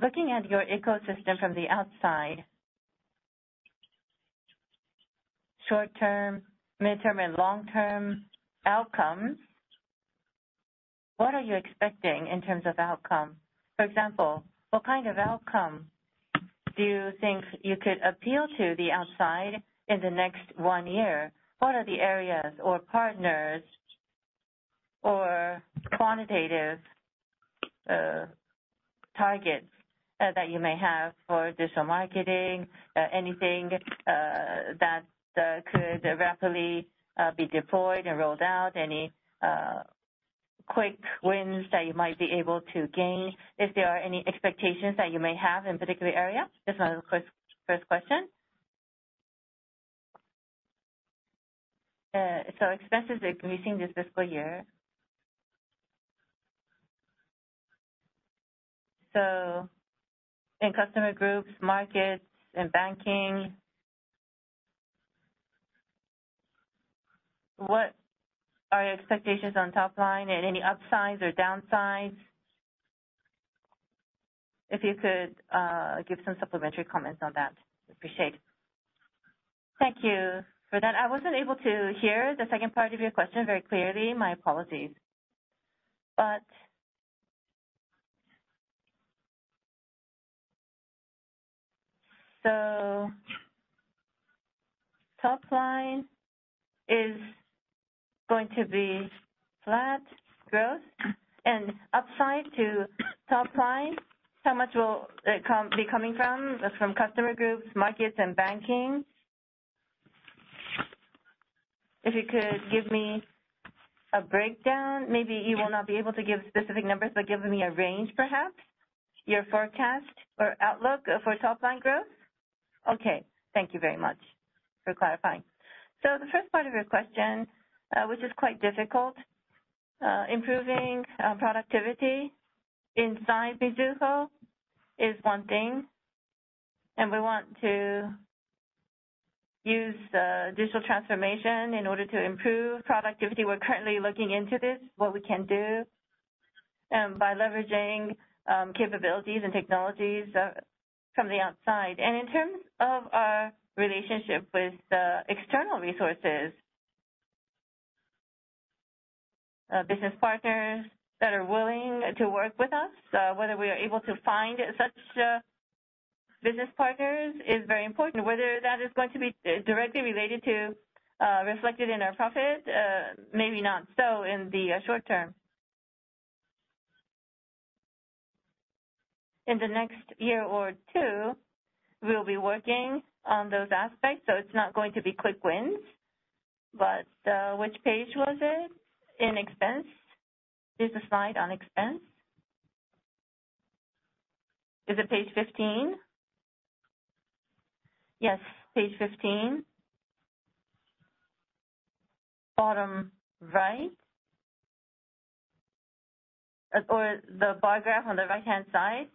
looking at your ecosystem from the outside. Short-term, midterm, and long-term outcomes, what are you expecting in terms of outcome? For example, what kind of outcome do you think you could appeal to the outside in the next one year? What are the areas or partners or quantitative targets that you may have for digital marketing? Anything that could rapidly be deployed and rolled out? Any quick wins that you might be able to gain? If there are any expectations that you may have in a particular area. That's my first question. Expenses increasing this fiscal year. In customer groups, markets, and banking, what are your expectations on top line and any upsides or downsides? If you could give some supplementary comments on that. Appreciate. Thank you for that. I wasn't able to hear the second part of your question very clearly. My apologies. Top line is going to be flat growth and upside to top line, how much will it be coming from? From customer groups, markets, and banking. If you could give me a breakdown. Maybe you will not be able to give specific numbers, but give me a range perhaps, your forecast or outlook for top line growth. Okay, thank you very much for clarifying. The first part of your question, which is quite difficult, improving productivity inside Mizuho is one thing, and we want to use the digital transformation in order to improve productivity. We're currently looking into this, what we can do, by leveraging capabilities and technologies from the outside. In terms of our relationship with the external resources, business partners that are willing to work with us, whether we are able to find such business partners is very important. Whether that is going to be directly related to reflected in our profit, maybe not so in the short term. In the next year or two, we'll be working on those aspects, so it's not going to be quick wins. Which page was it? In expense. There's a slide on expense. Is it page 15? Yes, page 15. Bottom right. Or the bar graph on the right-hand side.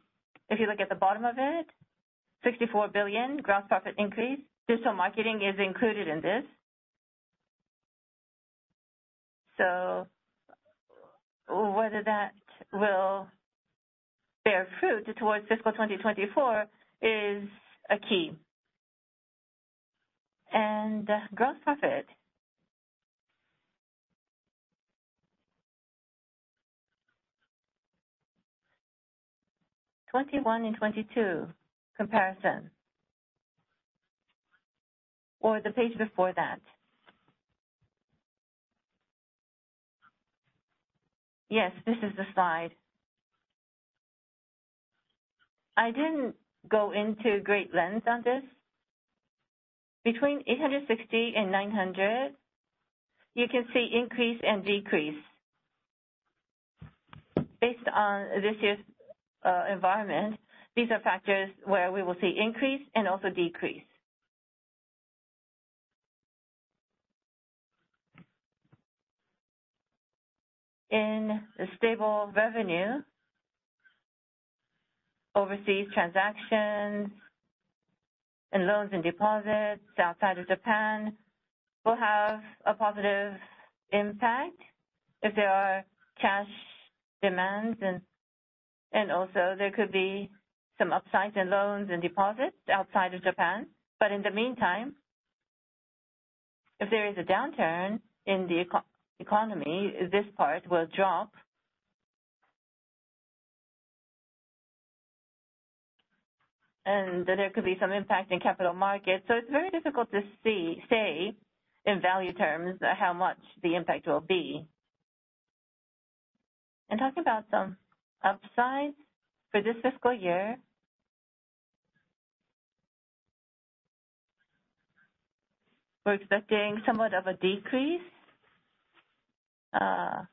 If you look at the bottom of it, 64 billion gross profit increase. Digital marketing is included in this. Whether that will bear fruit towards fiscal 2024 is a key. Gross profit 21 and 22 comparison. The page before that. Yes, this is the slide. I didn't go into great detail on this. Between 860 and 900, you can see increase and decrease. Based on this year's environment, these are factors where we will see increase and also decrease. In the stable revenue, overseas transactions and loans and deposits outside of Japan will have a positive impact if there are cash demands and also there could be some upside to loans and deposits outside of Japan. In the meantime, if there is a downturn in the economy, this part will drop. There could be some impact in capital markets. It's very difficult to say in value terms how much the impact will be. Talking about some upside for this fiscal year, we're expecting somewhat of a decrease. I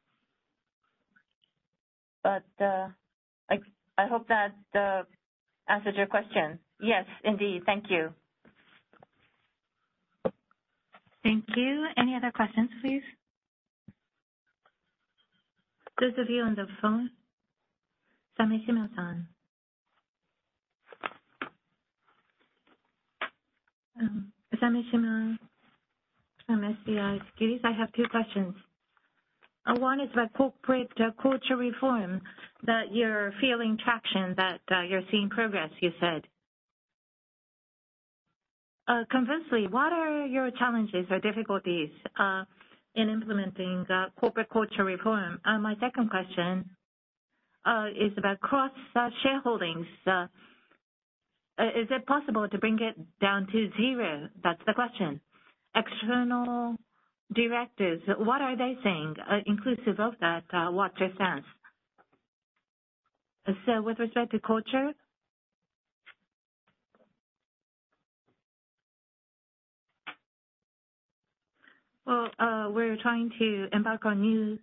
hope that answered your question. Yes, indeed. Thank you. Thank you. Any other questions, please? Those of you on the phone, Sameshima-san. Sameshima from SBI Securities. I have two questions. One is the corporate culture reform that you're feeling traction, that you're seeing progress, you said. Conversely, what are your challenges or difficulties in implementing the corporate culture reform? And my second question is about cross-shareholdings. Is it possible to bring it down to zero? That's the question. External directors, what are they saying, inclusive of that, what's your sense? With respect to culture. Well, we're trying to embark on new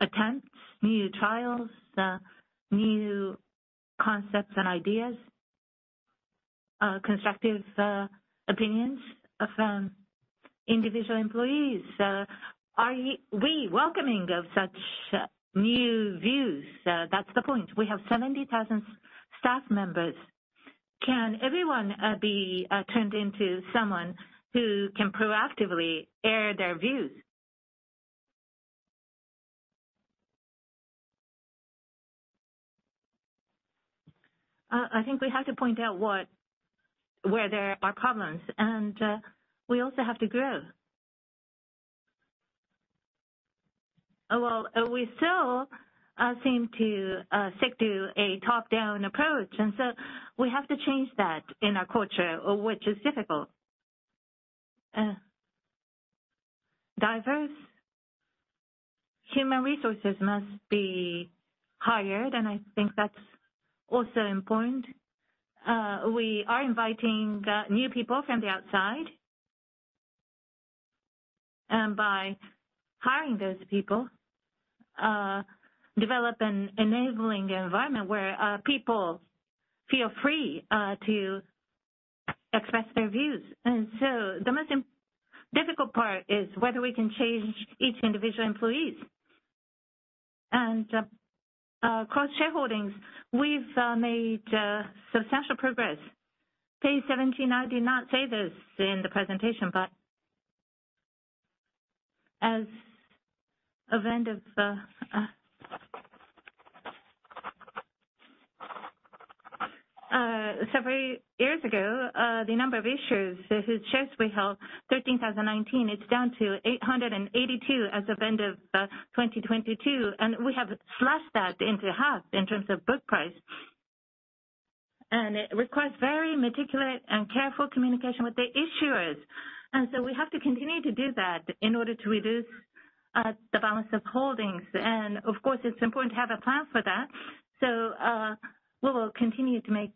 attempts, new trials, new concepts and ideas, constructive opinions from individual employees. Are we welcoming of such new views? That's the point. We have 70,000 staff members. Can everyone be turned into someone who can proactively air their views? I think we have to point out where there are problems, and we also have to grow. Well, we still seem to stick to a top-down approach, and so we have to change that in our culture, which is difficult. Diverse human resources must be hired, and I think that's also important. We are inviting new people from the outside. By hiring those people, develop an enabling environment where people feel free to express their views. The most difficult part is whether we can change each individual employees. Cross-shareholdings, we've made substantial progress. Page seventeen, I did not say this in the presentation, but as of end of several years ago, the number of issues, the shares we held, 13,019, it's down to 882 as of end of 2022. We have slashed that into half in terms of book price. It requires very meticulous and careful communication with the issuers. We have to continue to do that in order to reduce the balance of holdings. Of course, it's important to have a plan for that. We will continue to make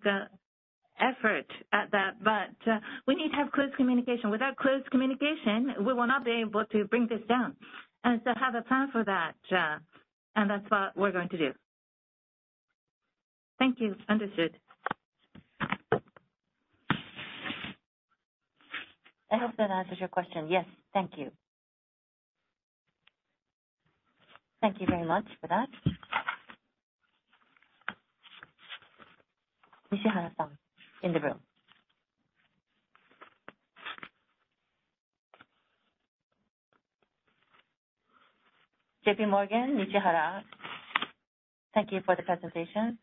an effort at that, but we need to have close communication. Without close communication, we will not be able to bring this down. Have a plan for that, and that's what we're going to do. Thank you. Understood. I hope that answers your question. Yes. Thank you. Thank you very much for that. Nishihara-san, in the room. J.P. Morgan, Nishihara. Thank you for the presentation.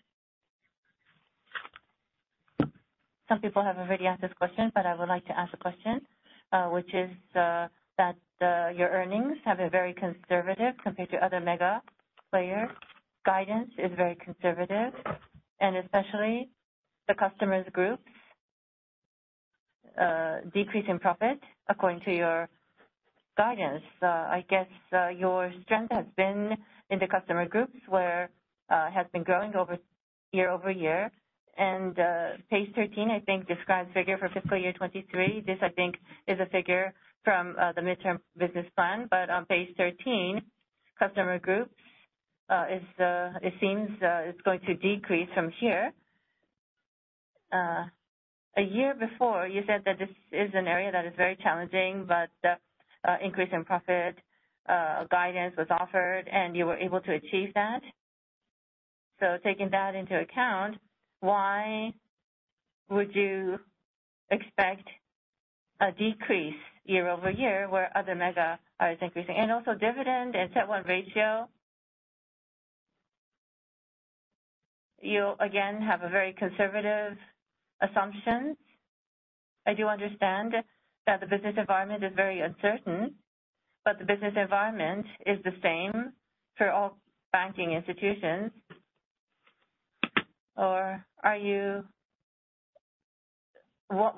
Some people have already asked this question, but I would like to ask a question, which is that your earnings have a very conservative compared to other mega players. Guidance is very conservative, and especially the customer groups decrease in profit according to your guidance. I guess your strength has been in the customer groups, where has been growing year-over-year. Page 13, I think, describes figure for fiscal year 2023. This, I think, is a figure from the midterm business plan. On page 13, customer groups, it seems, is going to decrease from here. A year before, you said that this is an area that is very challenging, but increase in profit guidance was offered, and you were able to achieve that. Taking that into account, why would you expect a decrease year-over-year where other mega are increasing? Also dividend and tier-one ratio. You again have a very conservative assumption. I do understand that the business environment is very uncertain, but the business environment is the same for all banking institutions.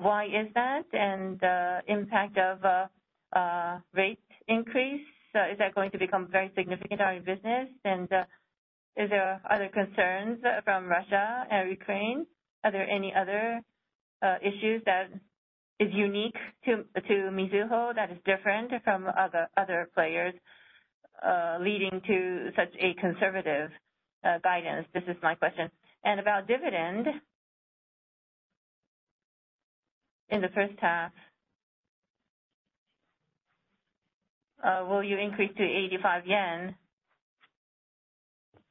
Why is that? Impact of rate increase, is that going to become very significant on your business? Is there other concerns from Russia and Ukraine? Are there any other issues that is unique to Mizuho that is different from other players leading to such a conservative guidance? This is my question. About dividend, in the first half, will you increase to 85 yen?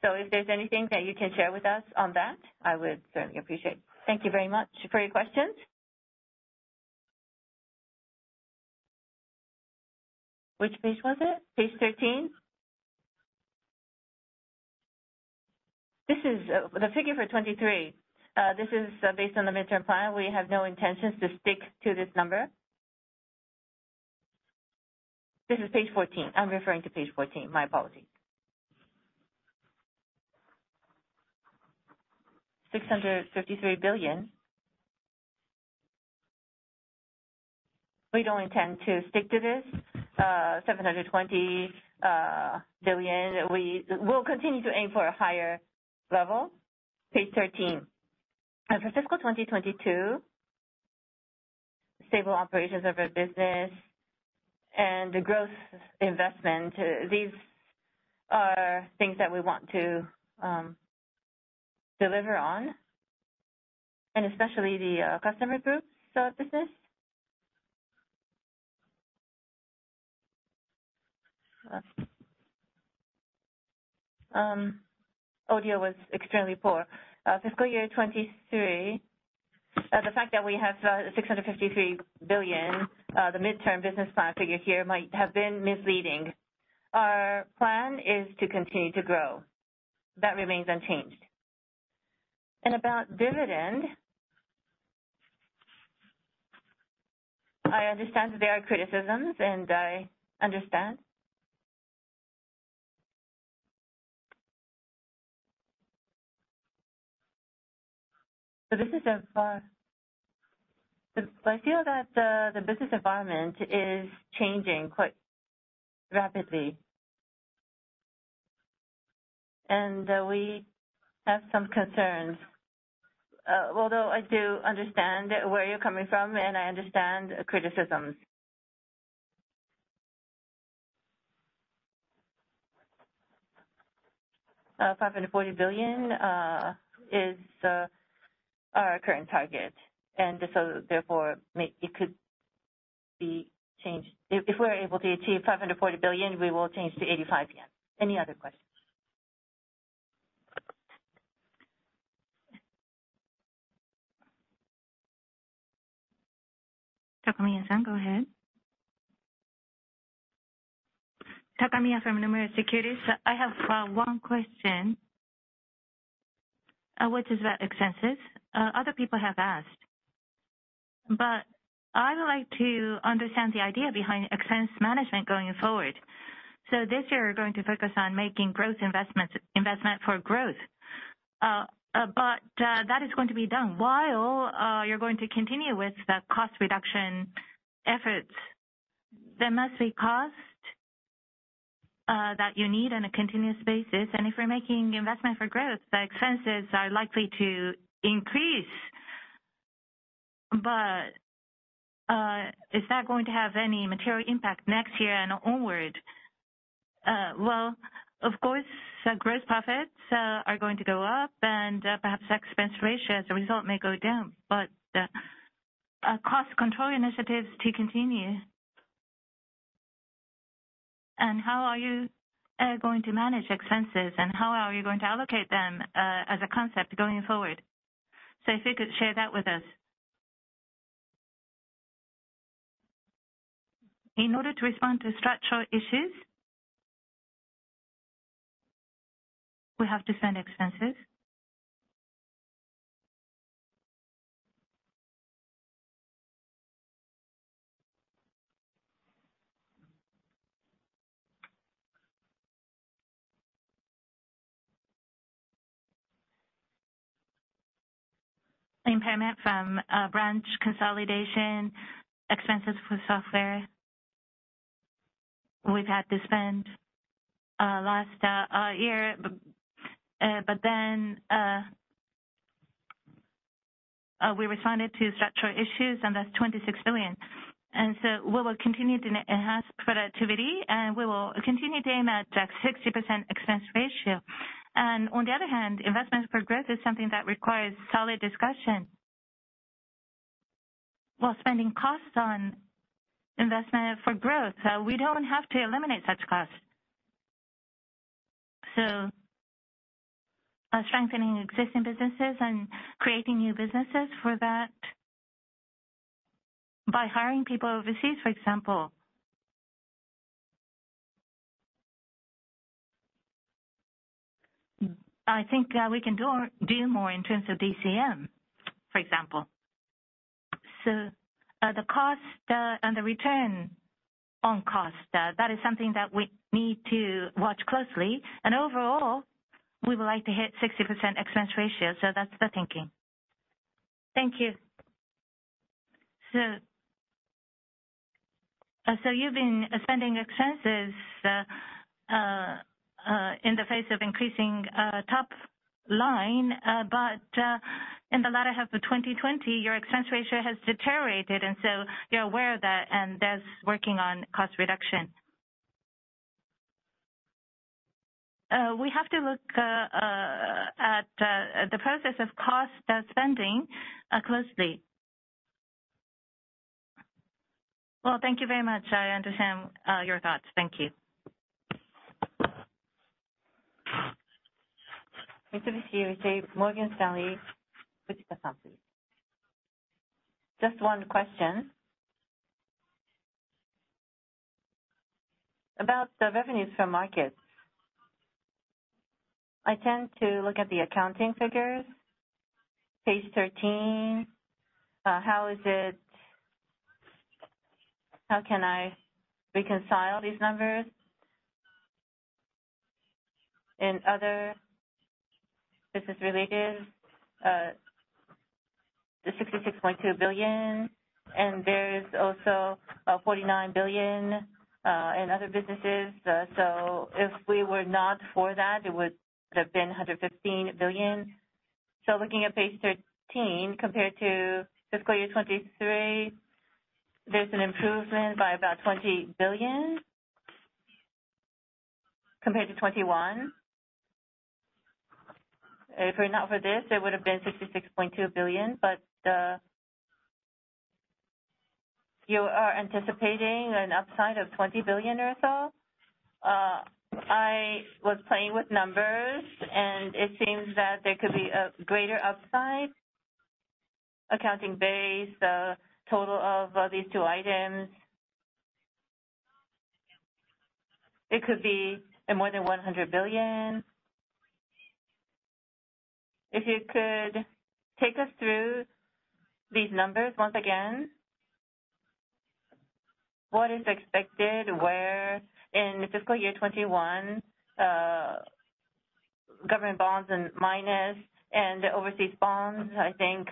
If there's anything that you can share with us on that, I would certainly appreciate. Thank you very much for your questions. Which page was it? Page 13. This is the figure for 2023, this is based on the midterm plan. We have no intentions to stick to this number. This is page 14. I'm referring to page 14. My apologies. JPY 653 billion. We don't intend to stick to this, seven hundred and twenty billion. We will continue to aim for a higher level. Page 13. For fiscal 2022, stable operations of our business and the growth investment, these are things that we want to deliver on and especially the customer group business. Audio was extremely poor. Fiscal year 2023, the fact that we have 653 billion, the medium-term business plan figure here might have been misleading. Our plan is to continue to grow. That remains unchanged. About dividend, I understand there are criticisms, and I understand. I feel that the business environment is changing quite rapidly, and we have some concerns. Although I do understand where you're coming from, and I understand criticisms. 540 billion is our current target, and so therefore, it could be changed. If we're able to achieve 540 billion, we will change to 85 yen. Any other questions? Takamiya-san, go ahead. Takamiya from Nomura Securities. I have one question, which is about expenses. Other people have asked, but I would like to understand the idea behind expense management going forward. This year you are going to focus on making growth investments, investment for growth. That is going to be done while you are going to continue with the cost reduction efforts. There must be cost that you need on a continuous basis. If you are making investment for growth, the expenses are likely to increase. Is that going to have any material impact next year and onward? Well, of course, gross profits are going to go up, and perhaps expense ratio as a result may go down. Are cost control initiatives to continue? How are you going to manage expenses and how are you going to allocate them as a concept going forward? If you could share that with us. In order to respond to structural issues, we have to spend expenses. Impairment from branch consolidation, expenses for software. We had to spend last year, but then we responded to structural issues, and that's 26 billion. We will continue to enhance productivity, and we will continue to aim at that 60% expense ratio. On the other hand, investments for growth is something that requires solid discussion. While spending costs on investment for growth, we don't have to eliminate such costs. Strengthening existing businesses and creating new businesses for that by hiring people overseas, for example. I think we can do more in terms of BCM, for example. The cost and the return on cost, that is something that we need to watch closely. Overall, we would like to hit 60% expense ratio. That's the thinking. Thank you. You've been spending expenses in the face of increasing top line. In the latter half of 2020, your expense ratio has deteriorated, and you're aware of that, and thus working on cost reduction. We have to look at the process of cost spending closely. Well, thank you very much. I understand your thoughts. Thank you. Morgan Stanley. Just one question. About the revenues for markets, I tend to look at the accounting figures. Page 13, how can I reconcile these numbers? In other business related, the 66.2 billion, and there is also 49 billion in other businesses. If we were not for that, it would have been 115 billion. Looking at page 13 compared to fiscal year 2023, there's an improvement by about 20 billion compared to 2021. If it were not for this, it would have been 66.2 billion, but you are anticipating an upside of 20 billion or so. I was playing with numbers, and it seems that there could be a greater upside. Accounting base, the total of these two items, it could be more than 100 billion. If you could take us through these numbers once again, what is expected where in fiscal year 2021, government bonds and munis and overseas bonds, I think,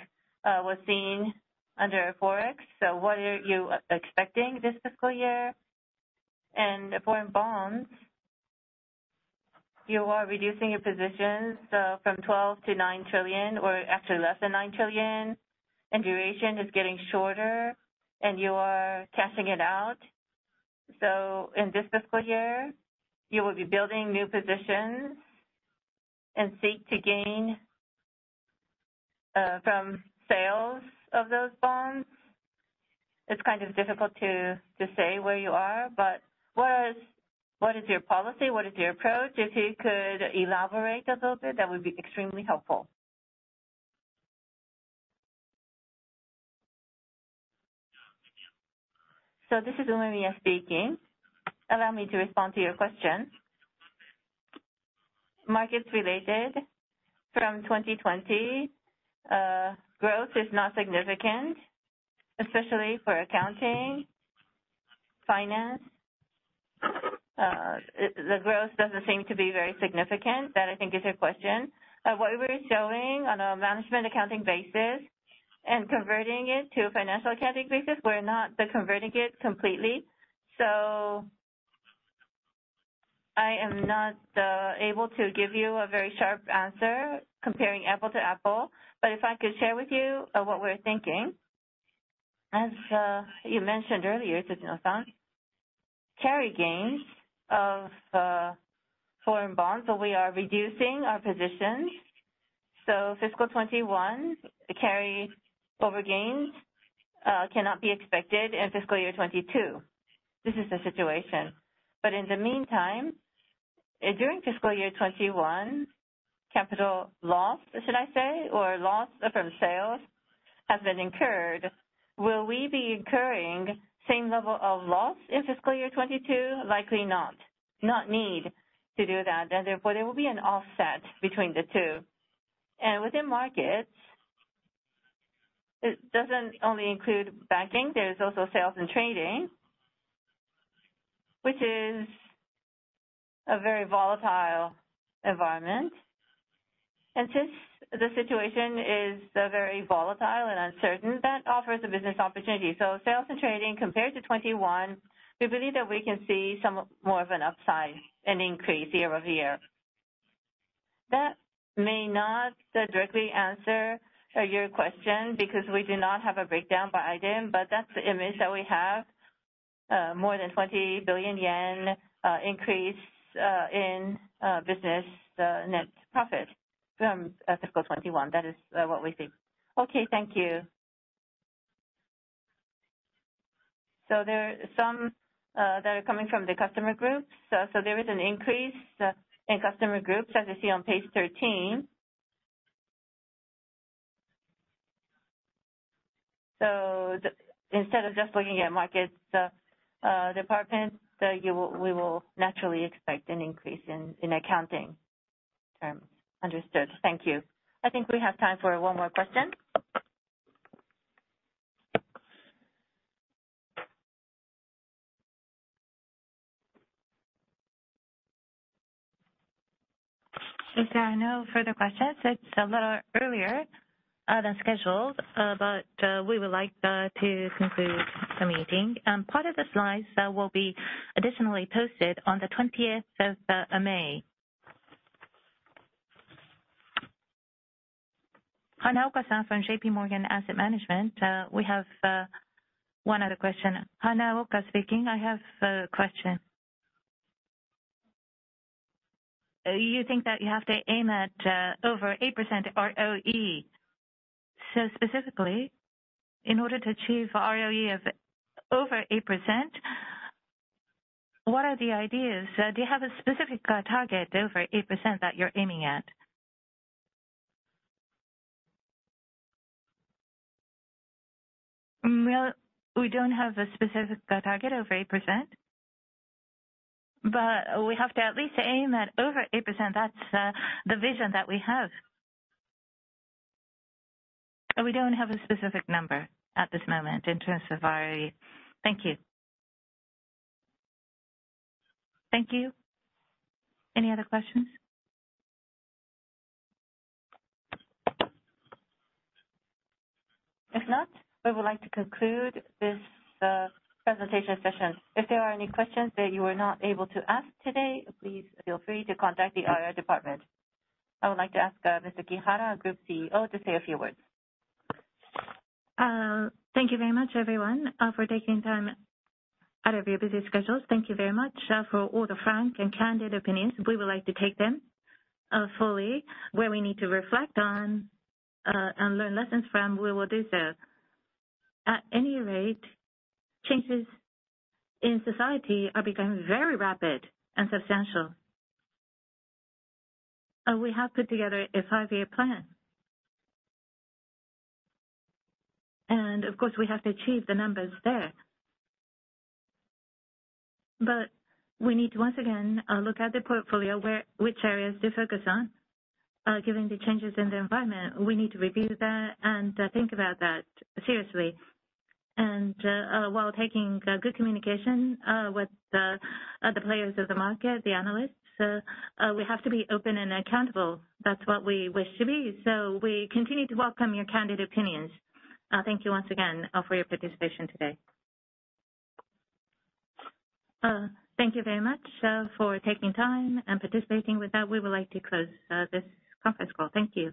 was seen under Forex. What are you expecting this fiscal year? Foreign bonds, you are reducing your positions from 12 trillion-9 trillion, or actually less than 9 trillion, and duration is getting shorter, and you are cashing it out. In this fiscal year, you will be building new positions and seek to gain from sales of those bonds. It's kind of difficult to say where you are, but what is your policy? What is your approach? If you could elaborate a little bit, that would be extremely helpful. This is Umemiya speaking. Allow me to respond to your question. Market-related growth from 2020 is not significant, especially for accounting, finance. The growth doesn't seem to be very significant. That, I think, is your question. What we're showing on a management accounting basis and converting it to a financial accounting basis, we're not converting it completely. I am not able to give you a very sharp answer comparing apples to apples. If I could share with you what we're thinking, as you mentioned earlier, Tsujino-san, carry gains of foreign bonds, so we are reducing our positions. Fiscal 2021 carryover gains cannot be expected in fiscal year 2022. This is the situation. In the meantime, during fiscal year 2021, capital loss, should I say, or loss from sales have been incurred. Will we be incurring same level of loss in fiscal year 2022? Likely not. Not need to do that. Therefore, there will be an offset between the two. Within markets, it doesn't only include banking. There's also sales and trading, which is a very volatile environment. Since the situation is very volatile and uncertain, that offers a business opportunity. Sales and trading compared to 2021, we believe that we can see some more of an upside, an increase year over year. That may not directly answer your question because we do not have a breakdown by item, but that's the image that we have, more than 20 billion yen increase in business net profit from fiscal 2021. That is what we see. Okay, thank you. There are some that are coming from the customer groups. There is an increase in customer groups, as you see on page 13. Instead of just looking at markets department, we will naturally expect an increase in accounting terms. Understood. Thank you. I think we have time for one more question. If there are no further questions, it's a lot earlier than scheduled, but we would like to conclude the meeting. Part of the slides will be additionally posted on the twentieth of May. Hanaoka-san from J.P. Morgan Asset Management, we have one other question. Hanaoka speaking. I have a question. You think that you have to aim at over 8% ROE. Specifically, in order to achieve ROE of over 8%, what are the ideas? Do you have a specific target over 8% that you are aiming at? Well, we do not have a specific target over 8%, but we have to at least aim at over 8%. That is the vision that we have. We do not have a specific number at this moment in terms of our. Thank you. Thank you. Any other questions? If not, we would like to conclude this presentation session. If there are any questions that you were not able to ask today, please feel free to contact the IR Department. I would like to ask Mr. Kihara, Group CEO, to say a few words. Thank you very much, everyone, for taking time out of your busy schedules. Thank you very much, for all the frank and candid opinions. We would like to take them, fully. Where we need to reflect on, and learn lessons from, we will do so. At any rate, changes in society are becoming very rapid and substantial. We have put together a five-year plan. Of course, we have to achieve the numbers there. We need to once again, look at the portfolio, which areas to focus on, given the changes in the environment. We need to review that and think about that seriously. While taking, good communication, with the players of the market, the analysts, we have to be open and accountable. That's what we wish to be. We continue to welcome your candid opinions. Thank you once again for your participation today. Thank you very much for taking time and participating. With that, we would like to close this conference call. Thank you.